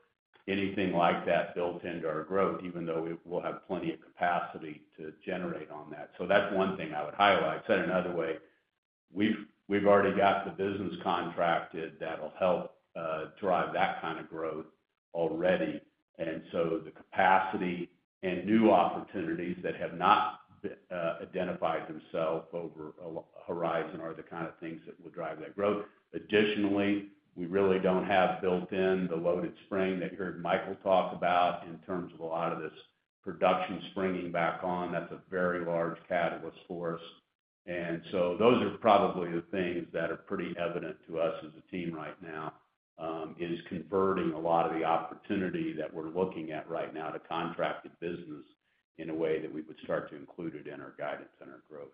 Speaker 3: anything like that built into our growth, even though we'll have plenty of capacity to generate on that. So that's one thing I would highlight. Said another way, we've already got the business contracted that'll help drive that kind of growth already. And so the capacity and new opportunities that have not identified themselves over a horizon are the kind of things that will drive that growth. Additionally, we really don't have built-in the loaded spring that you heard Micheal talk about in terms of a lot of this production springing back on. That's a very large catalyst for us. And so those are probably the things that are pretty evident to us as a team right now, is converting a lot of the opportunity that we're looking at right now to contracted business in a way that we would start to include it in our guidance and our growth.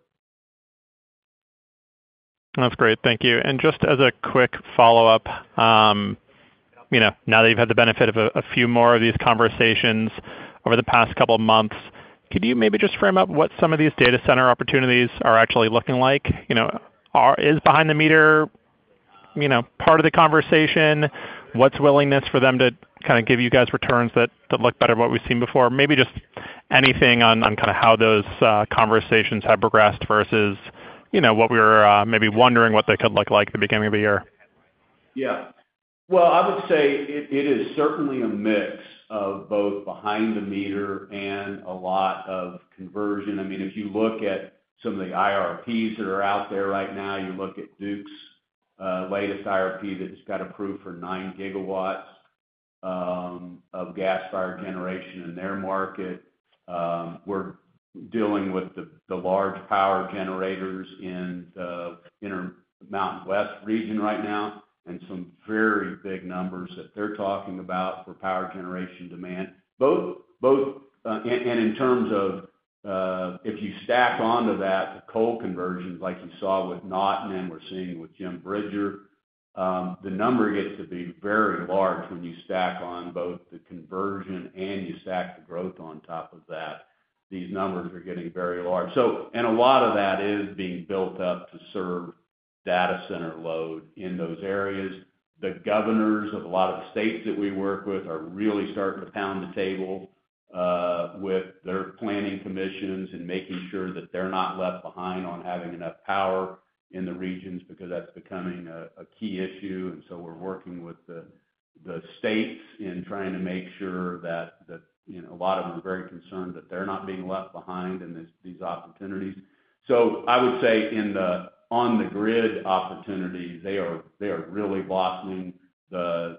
Speaker 12: That's great. Thank you. And just as a quick follow-up, now that you've had the benefit of a few more of these conversations over the past couple of months, could you maybe just frame up what some of these data center opportunities are actually looking like? Is behind the meter part of the conversation? What's willingness for them to kind of give you guys returns that look better than what we've seen before? Maybe just anything on kind of how those conversations have progressed versus what we were maybe wondering what they could look like at the beginning of the year.
Speaker 3: Yeah. Well, I would say it is certainly a mix of both behind the meter and a lot of conversion. I mean, if you look at some of the IRPs that are out there right now, you look at Duke's latest IRP that's got to provide for 9 gigawatts of gas-fired generation in their market. We're dealing with the large power generators in the Mountain West region right now and some very big numbers that they're talking about for power generation demand. And in terms of if you stack onto that, the coal conversion, like you saw with Naughton and we're seeing with Jim Bridger, the number gets to be very large when you stack on both the conversion and you stack the growth on top of that. These numbers are getting very large. And a lot of that is being built up to serve data center load in those areas. The governors of a lot of the states that we work with are really starting to pound the table with their planning commissions and making sure that they're not left behind on having enough power in the regions because that's becoming a key issue. And so we're working with the states in trying to make sure that a lot of them are very concerned that they're not being left behind in these opportunities. So I would say on the grid opportunities, they are really blossoming. The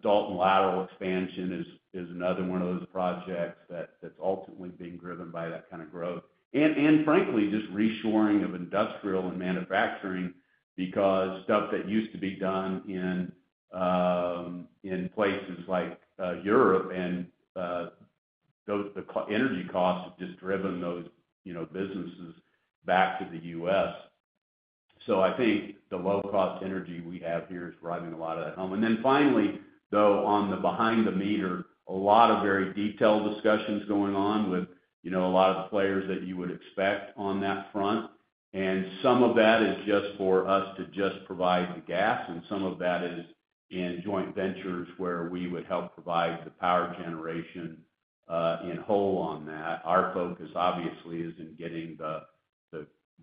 Speaker 3: Dalton Lateral expansion is another one of those projects that's ultimately being driven by that kind of growth.
Speaker 12: And frankly, just reshoring of industrial and manufacturing because stuff that used to be done in places like Europe and the energy costs have just driven those businesses back to the U.S. So I think the low-cost energy we have here is driving a lot of that home. And then finally, though, on the behind the meter, a lot of very detailed discussions going on with a lot of the players that you would expect on that front. And some of that is just for us to just provide the gas, and some of that is in joint ventures where we would help provide the power generation in whole on that. Our focus, obviously, is in getting the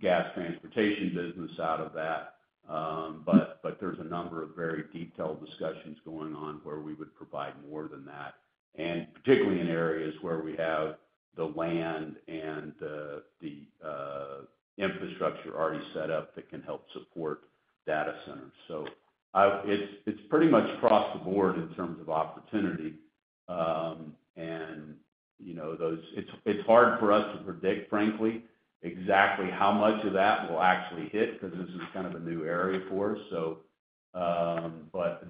Speaker 12: gas transportation business out of that.
Speaker 3: But there's a number of very detailed discussions going on where we would provide more than that, and particularly in areas where we have the land and the infrastructure already set up that can help support data centers. So it's pretty much across the board in terms of opportunity. And it's hard for us to predict, frankly, exactly how much of that will actually hit because this is kind of a new area for us. But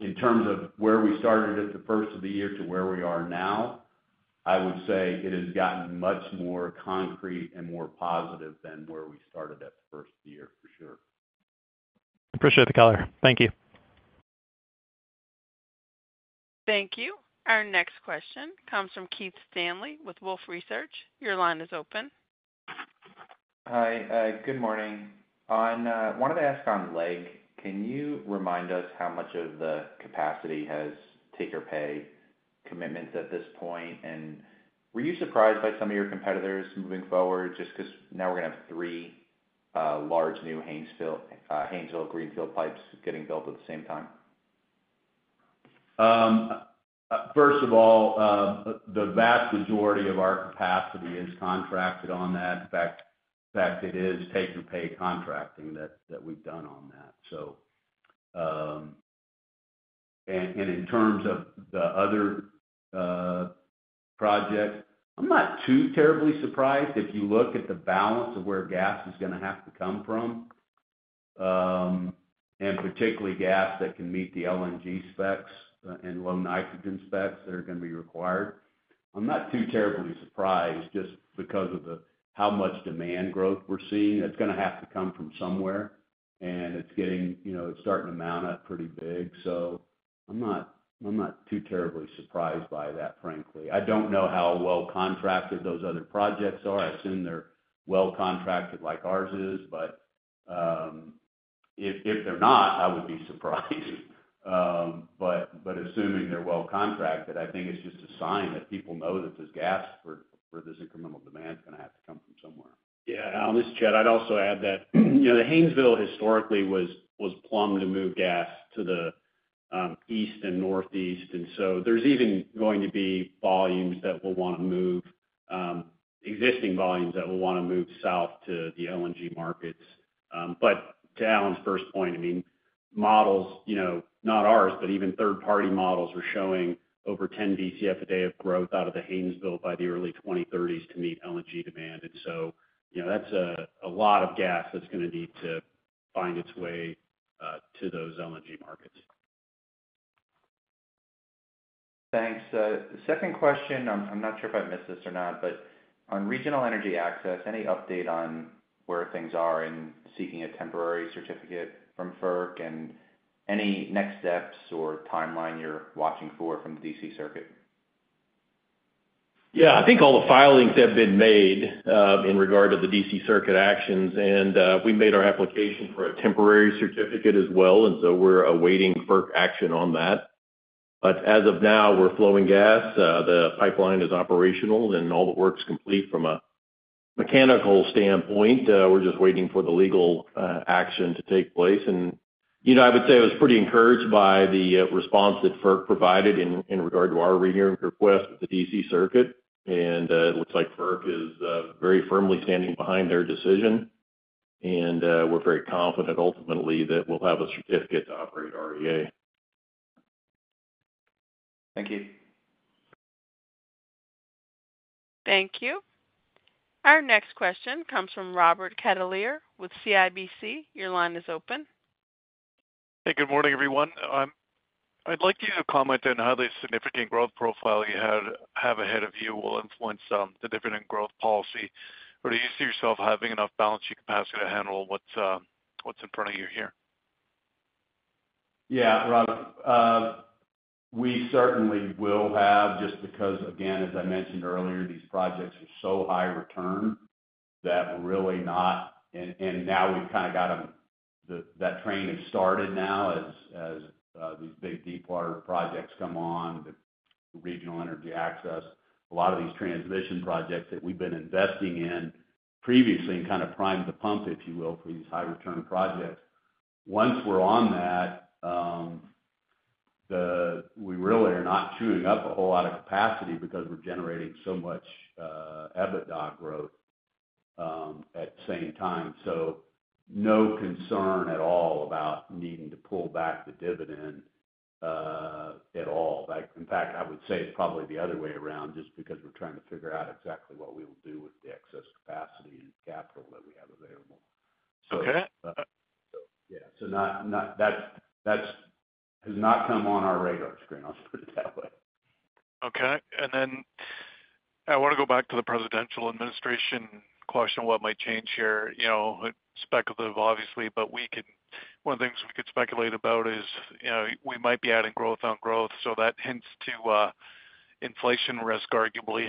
Speaker 3: in terms of where we started at the first of the year to where we are now, I would say it has gotten much more concrete and more positive than where we started at the first of the year, for sure.
Speaker 12: Appreciate the color. Thank you.
Speaker 1: Thank you. Our next question comes from Keith Stanley with Wolfe Research. Your line is open.
Speaker 13: Hi. Good morning. I wanted to ask on LEG. Can you remind us how much of the capacity has take-or-pay commitments at this point? And were you surprised by some of your competitors moving forward just because now we're going to have three large new Haynesville greenfield pipes getting built at the same time?
Speaker 6: First of all, the vast majority of our capacity is contracted on that. In fact, it is take-or-pay contracting that we've done on that, and in terms of the other project, I'm not too terribly surprised. If you look at the balance of where gas is going to have to come from, and particularly gas that can meet the LNG specs and low nitrogen specs that are going to be required, I'm not too terribly surprised just because of how much demand growth we're seeing. It's going to have to come from somewhere, and it's starting to mount up pretty big, so I'm not too terribly surprised by that, frankly. I don't know how well contracted those other projects are. I assume they're well contracted like ours is, but if they're not, I would be surprised. But assuming they're well contracted, I think it's just a sign that people know that this gas for this incremental demand is going to have to come from somewhere. Yeah. On that, I'd also add that the Haynesville historically was plumbed to move gas to the east and northeast. And so there's even going to be volumes that will want to move, existing volumes that will want to move south to the LNG markets. But to Alan's first point, I mean, models, not ours, but even third-party models are showing over 10 Bcf a day of growth out of the Haynesville by the early 2030s to meet LNG demand. And so that's a lot of gas that's going to need to find its way to those LNG markets.
Speaker 4: Thanks. Second question, I'm not sure if I missed this or not, but on Regional Energy Access, any update on where things are in seeking a temporary certificate from FERC and any next steps or timeline you're watching for from the D.C. Circuit?
Speaker 6: Yeah. I think all the filings have been made in regard to the D.C. Circuit actions. And we made our application for a temporary certificate as well. And so we're awaiting FERC action on that. But as of now, we're flowing gas. The pipeline is operational, and all the work's complete from a mechanical standpoint. We're just waiting for the legal action to take place. And I would say I was pretty encouraged by the response that FERC provided in regard to our rehearing request with the D.C. Circuit. And it looks like FERC is very firmly standing behind their decision. And we're very confident ultimately that we'll have a certificate to operate REA.
Speaker 13: Thank you.
Speaker 1: Thank you. Our next question comes from Robert Catellier with CIBC. Your line is open.
Speaker 14: Hey, good morning, everyone. I'd like you to comment on how the significant growth profile you have ahead of you will influence the dividend growth policy. Or do you see yourself having enough balance sheet capacity to handle what's in front of you here?
Speaker 3: Yeah, Robert. We certainly will have just because, again, as I mentioned earlier, these projects are so high return that really not and now we've kind of got them that train has started now as these big deep water projects come on, the Regional Energy Access, a lot of these transmission projects that we've been investing in previously and kind of primed the pump, if you will, for these high-return projects. Once we're on that, we really are not chewing up a whole lot of capacity because we're generating so much EBITDA growth at the same time. So no concern at all about needing to pull back the dividend at all. In fact, I would say it's probably the other way around just because we're trying to figure out exactly what we will do with the excess capacity and capital that we have available. So yeah. So that has not come on our radar screen, let's put it that way.
Speaker 14: Okay. And then I want to go back to the presidential administration question, what might change here? Speculative, obviously, but one of the things we could speculate about is we might be adding growth on growth. So that hints to inflation risk, arguably.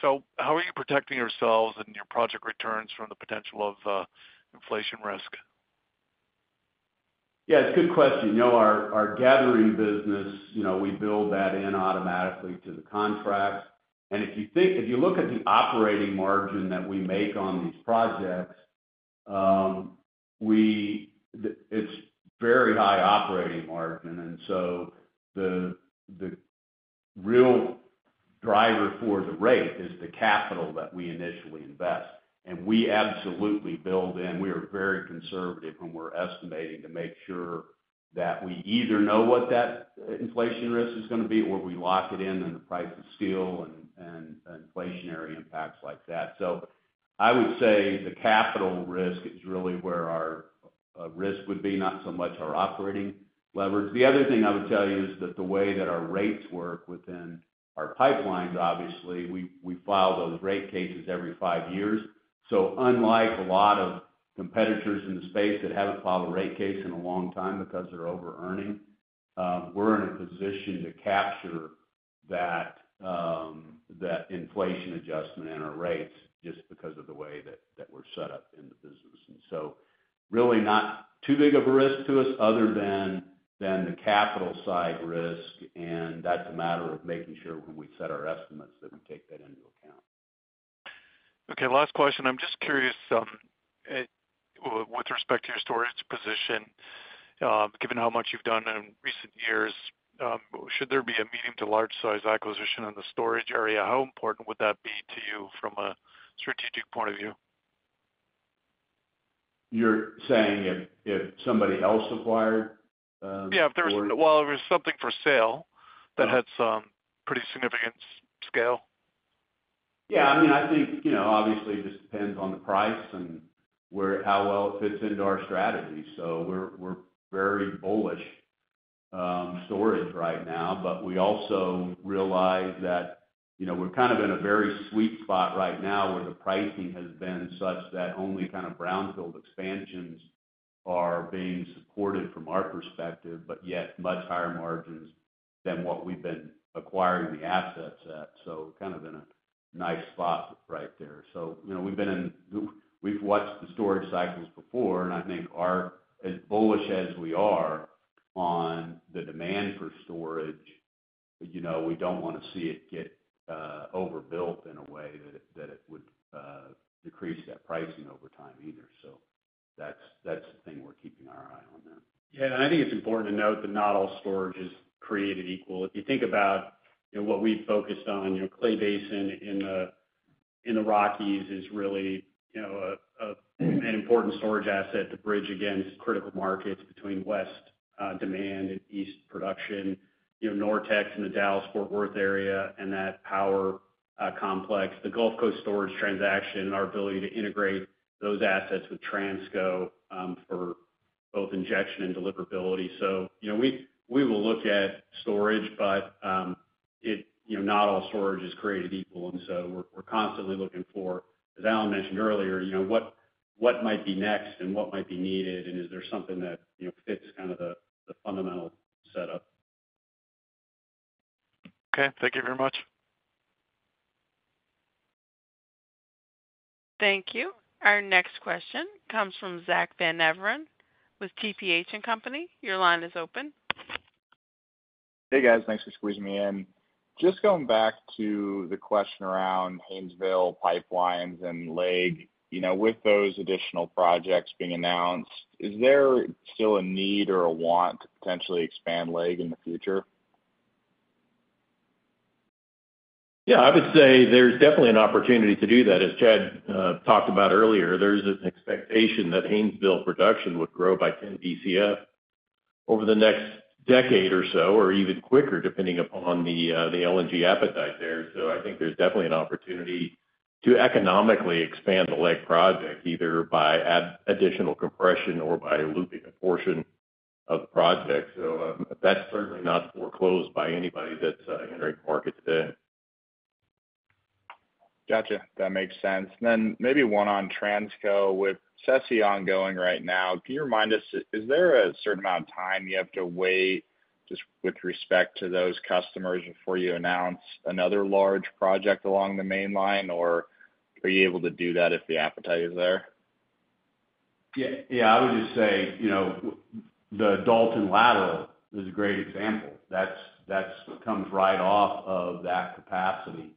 Speaker 14: So how are you protecting yourselves and your project returns from the potential of inflation risk?
Speaker 3: Yeah. It's a good question. Our gathering business, we build that in automatically to the contract. And if you look at the operating margin that we make on these projects, it's very high operating margin. And so the real driver for the rate is the capital that we initially invest. And we absolutely build in. We are very conservative when we're estimating to make sure that we either know what that inflation risk is going to be or we lock it in and the price is still and inflationary impacts like that. So I would say the capital risk is really where our risk would be, not so much our operating leverage. The other thing I would tell you is that the way that our rates work within our pipelines, obviously, we file those rate cases every five years. Unlike a lot of competitors in the space that haven't filed a rate case in a long time because they're over-earning, we're in a position to capture that inflation adjustment in our rates just because of the way that we're set up in the business. Really not too big of a risk to us other than the capital side risk. That's a matter of making sure when we set our estimates that we take that into account.
Speaker 14: Okay. Last question. I'm just curious with respect to your storage position, given how much you've done in recent years, should there be a medium to large-sized acquisition in the storage area, how important would that be to you from a strategic point of view?
Speaker 3: You're saying if somebody else acquired?
Speaker 5: Yeah. Well, if it was something for sale that had some pretty significant scale.
Speaker 3: Yeah. I mean, I think obviously it just depends on the price and how well it fits into our strategy. So we're very bullish storage right now. But we also realize that we're kind of in a very sweet spot right now where the pricing has been such that only kind of brownfield expansions are being supported from our perspective, but yet much higher margins than what we've been acquiring the assets at. So kind of in a nice spot right there. So we've watched the storage cycles before, and I think as bullish as we are on the demand for storage, we don't want to see it get overbuilt in a way that it would decrease that pricing over time either. So that's the thing we're keeping our eye on there. Yeah. And I think it's important to note that not all storage is created equal. If you think about what we've focused on, Clay Basin in the Rockies is really an important storage asset to bridge against critical markets between west demand and east production, NorTex in the Dallas-Fort Worth area and that power complex, the Gulf Coast storage transaction, and our ability to integrate those assets with Transco for both injection and deliverability. So we will look at storage, but not all storage is created equal. And so we're constantly looking for, as Alan mentioned earlier, what might be next and what might be needed, and is there something that fits kind of the fundamental setup?
Speaker 14: Okay. Thank you very much.
Speaker 1: Thank you. Our next question comes from Zack Van Everen with TPH & Co. Your line is open.
Speaker 15: Hey, guys. Thanks for squeezing me in. Just going back to the question around Haynesville pipelines and LEG, with those additional projects being announced, is there still a need or a want to potentially expand LEG in the future?
Speaker 3: Yeah. I would say there's definitely an opportunity to do that. As Chad talked about earlier, there's an expectation that Haynesville production would grow by 10 Bcf over the next decade or so, or even quicker, depending upon the LNG appetite there. So I think there's definitely an opportunity to economically expand the LEG project, either by additional compression or by looping a portion of the project. So that's certainly not foreclosed by anybody that's entering the market today.
Speaker 15: Gotcha. That makes sense. Then maybe one on Transco with SSEP ongoing right now. Can you remind us, is there a certain amount of time you have to wait just with respect to those customers before you announce another large project along the mainline, or are you able to do that if the appetite is there?
Speaker 6: Yeah. I would just say the Dalton Lateral is a great example. That comes right off of that capacity,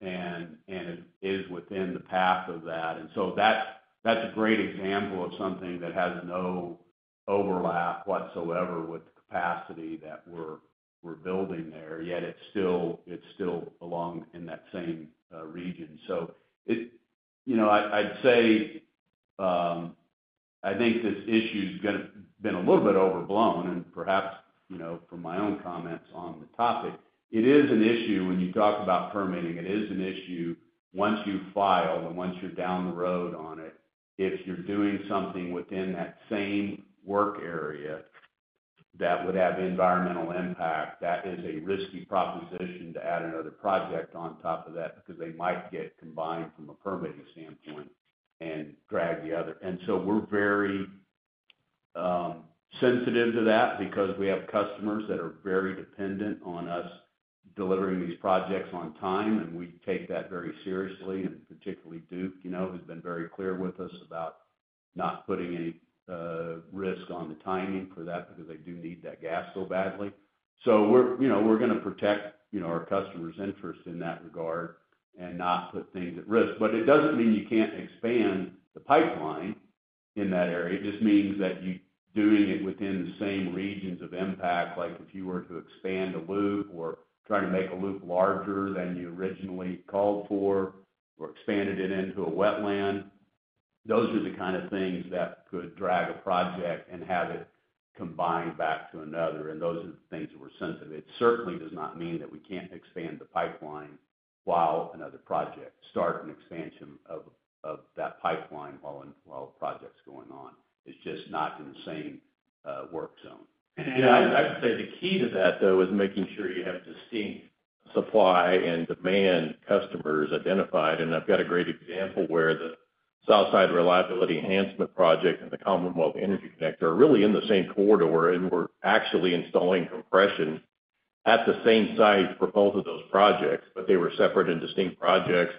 Speaker 6: and it is within the path of that. And so that's a great example of something that has no overlap whatsoever with the capacity that we're building there, yet it's still along in that same region. So I'd say I think this issue has been a little bit overblown, and perhaps from my own comments on the topic, it is an issue when you talk about permitting. It is an issue once you file and once you're down the road on it. If you're doing something within that same work area that would have environmental impact, that is a risky proposition to add another project on top of that because they might get combined from a permitting standpoint and drag the other. And so we're very sensitive to that because we have customers that are very dependent on us delivering these projects on time, and we take that very seriously. And particularly Duke has been very clear with us about not putting any risk on the timing for that because they do need that gas so badly. So we're going to protect our customer's interest in that regard and not put things at risk. But it doesn't mean you can't expand the pipeline in that area. It just means that you're doing it within the same regions of impact. Like if you were to expand a loop or try to make a loop larger than you originally called for or expanded it into a wetland, those are the kind of things that could drag a project and have it combined back to another. And those are the things that we're sensitive. It certainly does not mean that we can't expand the pipeline while another project starts an expansion of that pipeline while a project's going on. It's just not in the same work zone. And I would say the key to that, though, is making sure you have distinct supply and demand customers identified. And I've got a great example where the Southside Reliability Enhancement Project and the Commonwealth Energy Connector are really in the same corridor, and we're actually installing compression at the same site for both of those projects. But they were separate and distinct projects.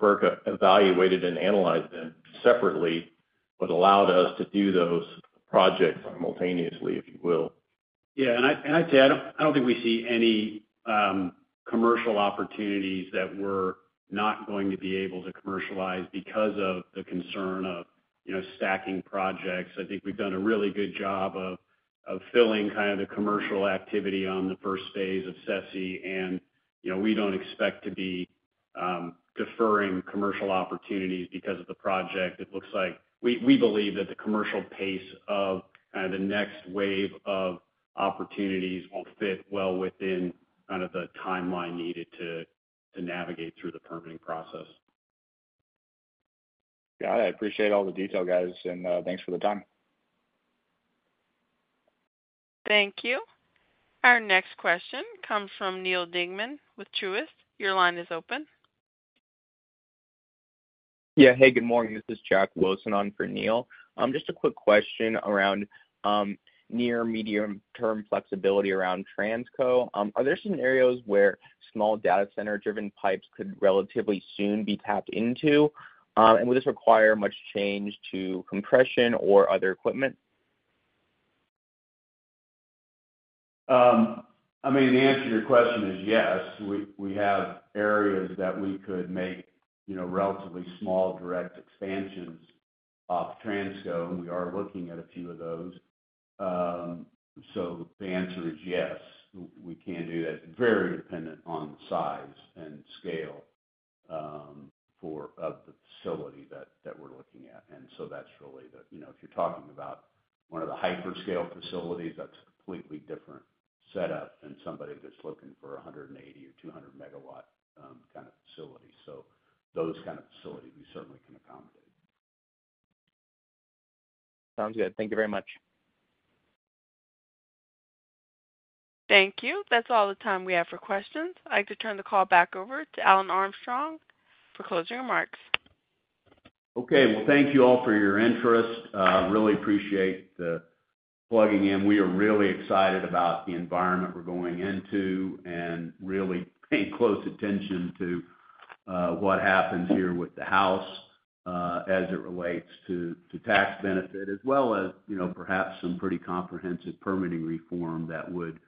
Speaker 6: FERC evaluated and analyzed them separately but allowed us to do those projects simultaneously, if you will. Yeah. And I'd say I don't think we see any commercial opportunities that we're not going to be able to commercialize because of the concern of stacking projects. I think we've done a really good job of filling kind of the commercial activity on the first phase of SSEP, and we don't expect to be deferring commercial opportunities because of the project. It looks like we believe that the commercial pace of kind of the next wave of opportunities will fit well within kind of the timeline needed to navigate through the permitting process.
Speaker 15: Got it. I appreciate all the detail, guys, and thanks for the time.
Speaker 1: Thank you. Our next question comes from Neal Dingman with Truist. Your line is open.
Speaker 16: Yeah. Hey, good morning. This is Chad Wilson on for Neal. Just a quick question around near-medium-term flexibility around Transco. Are there scenarios where small data center-driven pipes could relatively soon be tapped into? And would this require much change to compression or other equipment?
Speaker 3: I mean, the answer to your question is yes. We have areas that we could make relatively small direct expansions off Transco, and we are looking at a few of those. So the answer is yes. We can do that. Very dependent on size and scale of the facility that we're looking at. And so that's really the, if you're talking about one of the hyperscale facilities, that's a completely different setup than somebody that's looking for a 180 or 200 megawatt kind of facility. So those kind of facilities, we certainly can accommodate.
Speaker 16: Sounds good. Thank you very much.
Speaker 1: Thank you. That's all the time we have for questions. I'd like to turn the call back over to Alan Armstrong for closing remarks.
Speaker 3: Okay. Well, thank you all for your interest. Really appreciate the plugging in. We are really excited about the environment we're going into and really paying close attention to what happens here with the House as it relates to tax benefit, as well as perhaps some pretty comprehensive permitting reform that would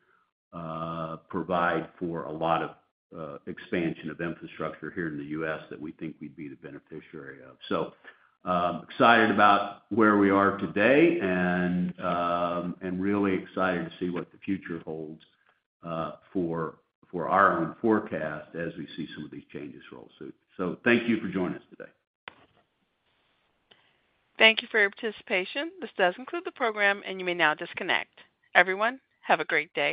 Speaker 3: provide for a lot of expansion of infrastructure here in the U.S. that we think we'd be the beneficiary of, so excited about where we are today and really excited to see what the future holds for our own forecast as we see some of these changes roll through, so thank you for joining us today.
Speaker 1: Thank you for your participation. This does conclude the program, and you may now disconnect. Everyone, have a great day.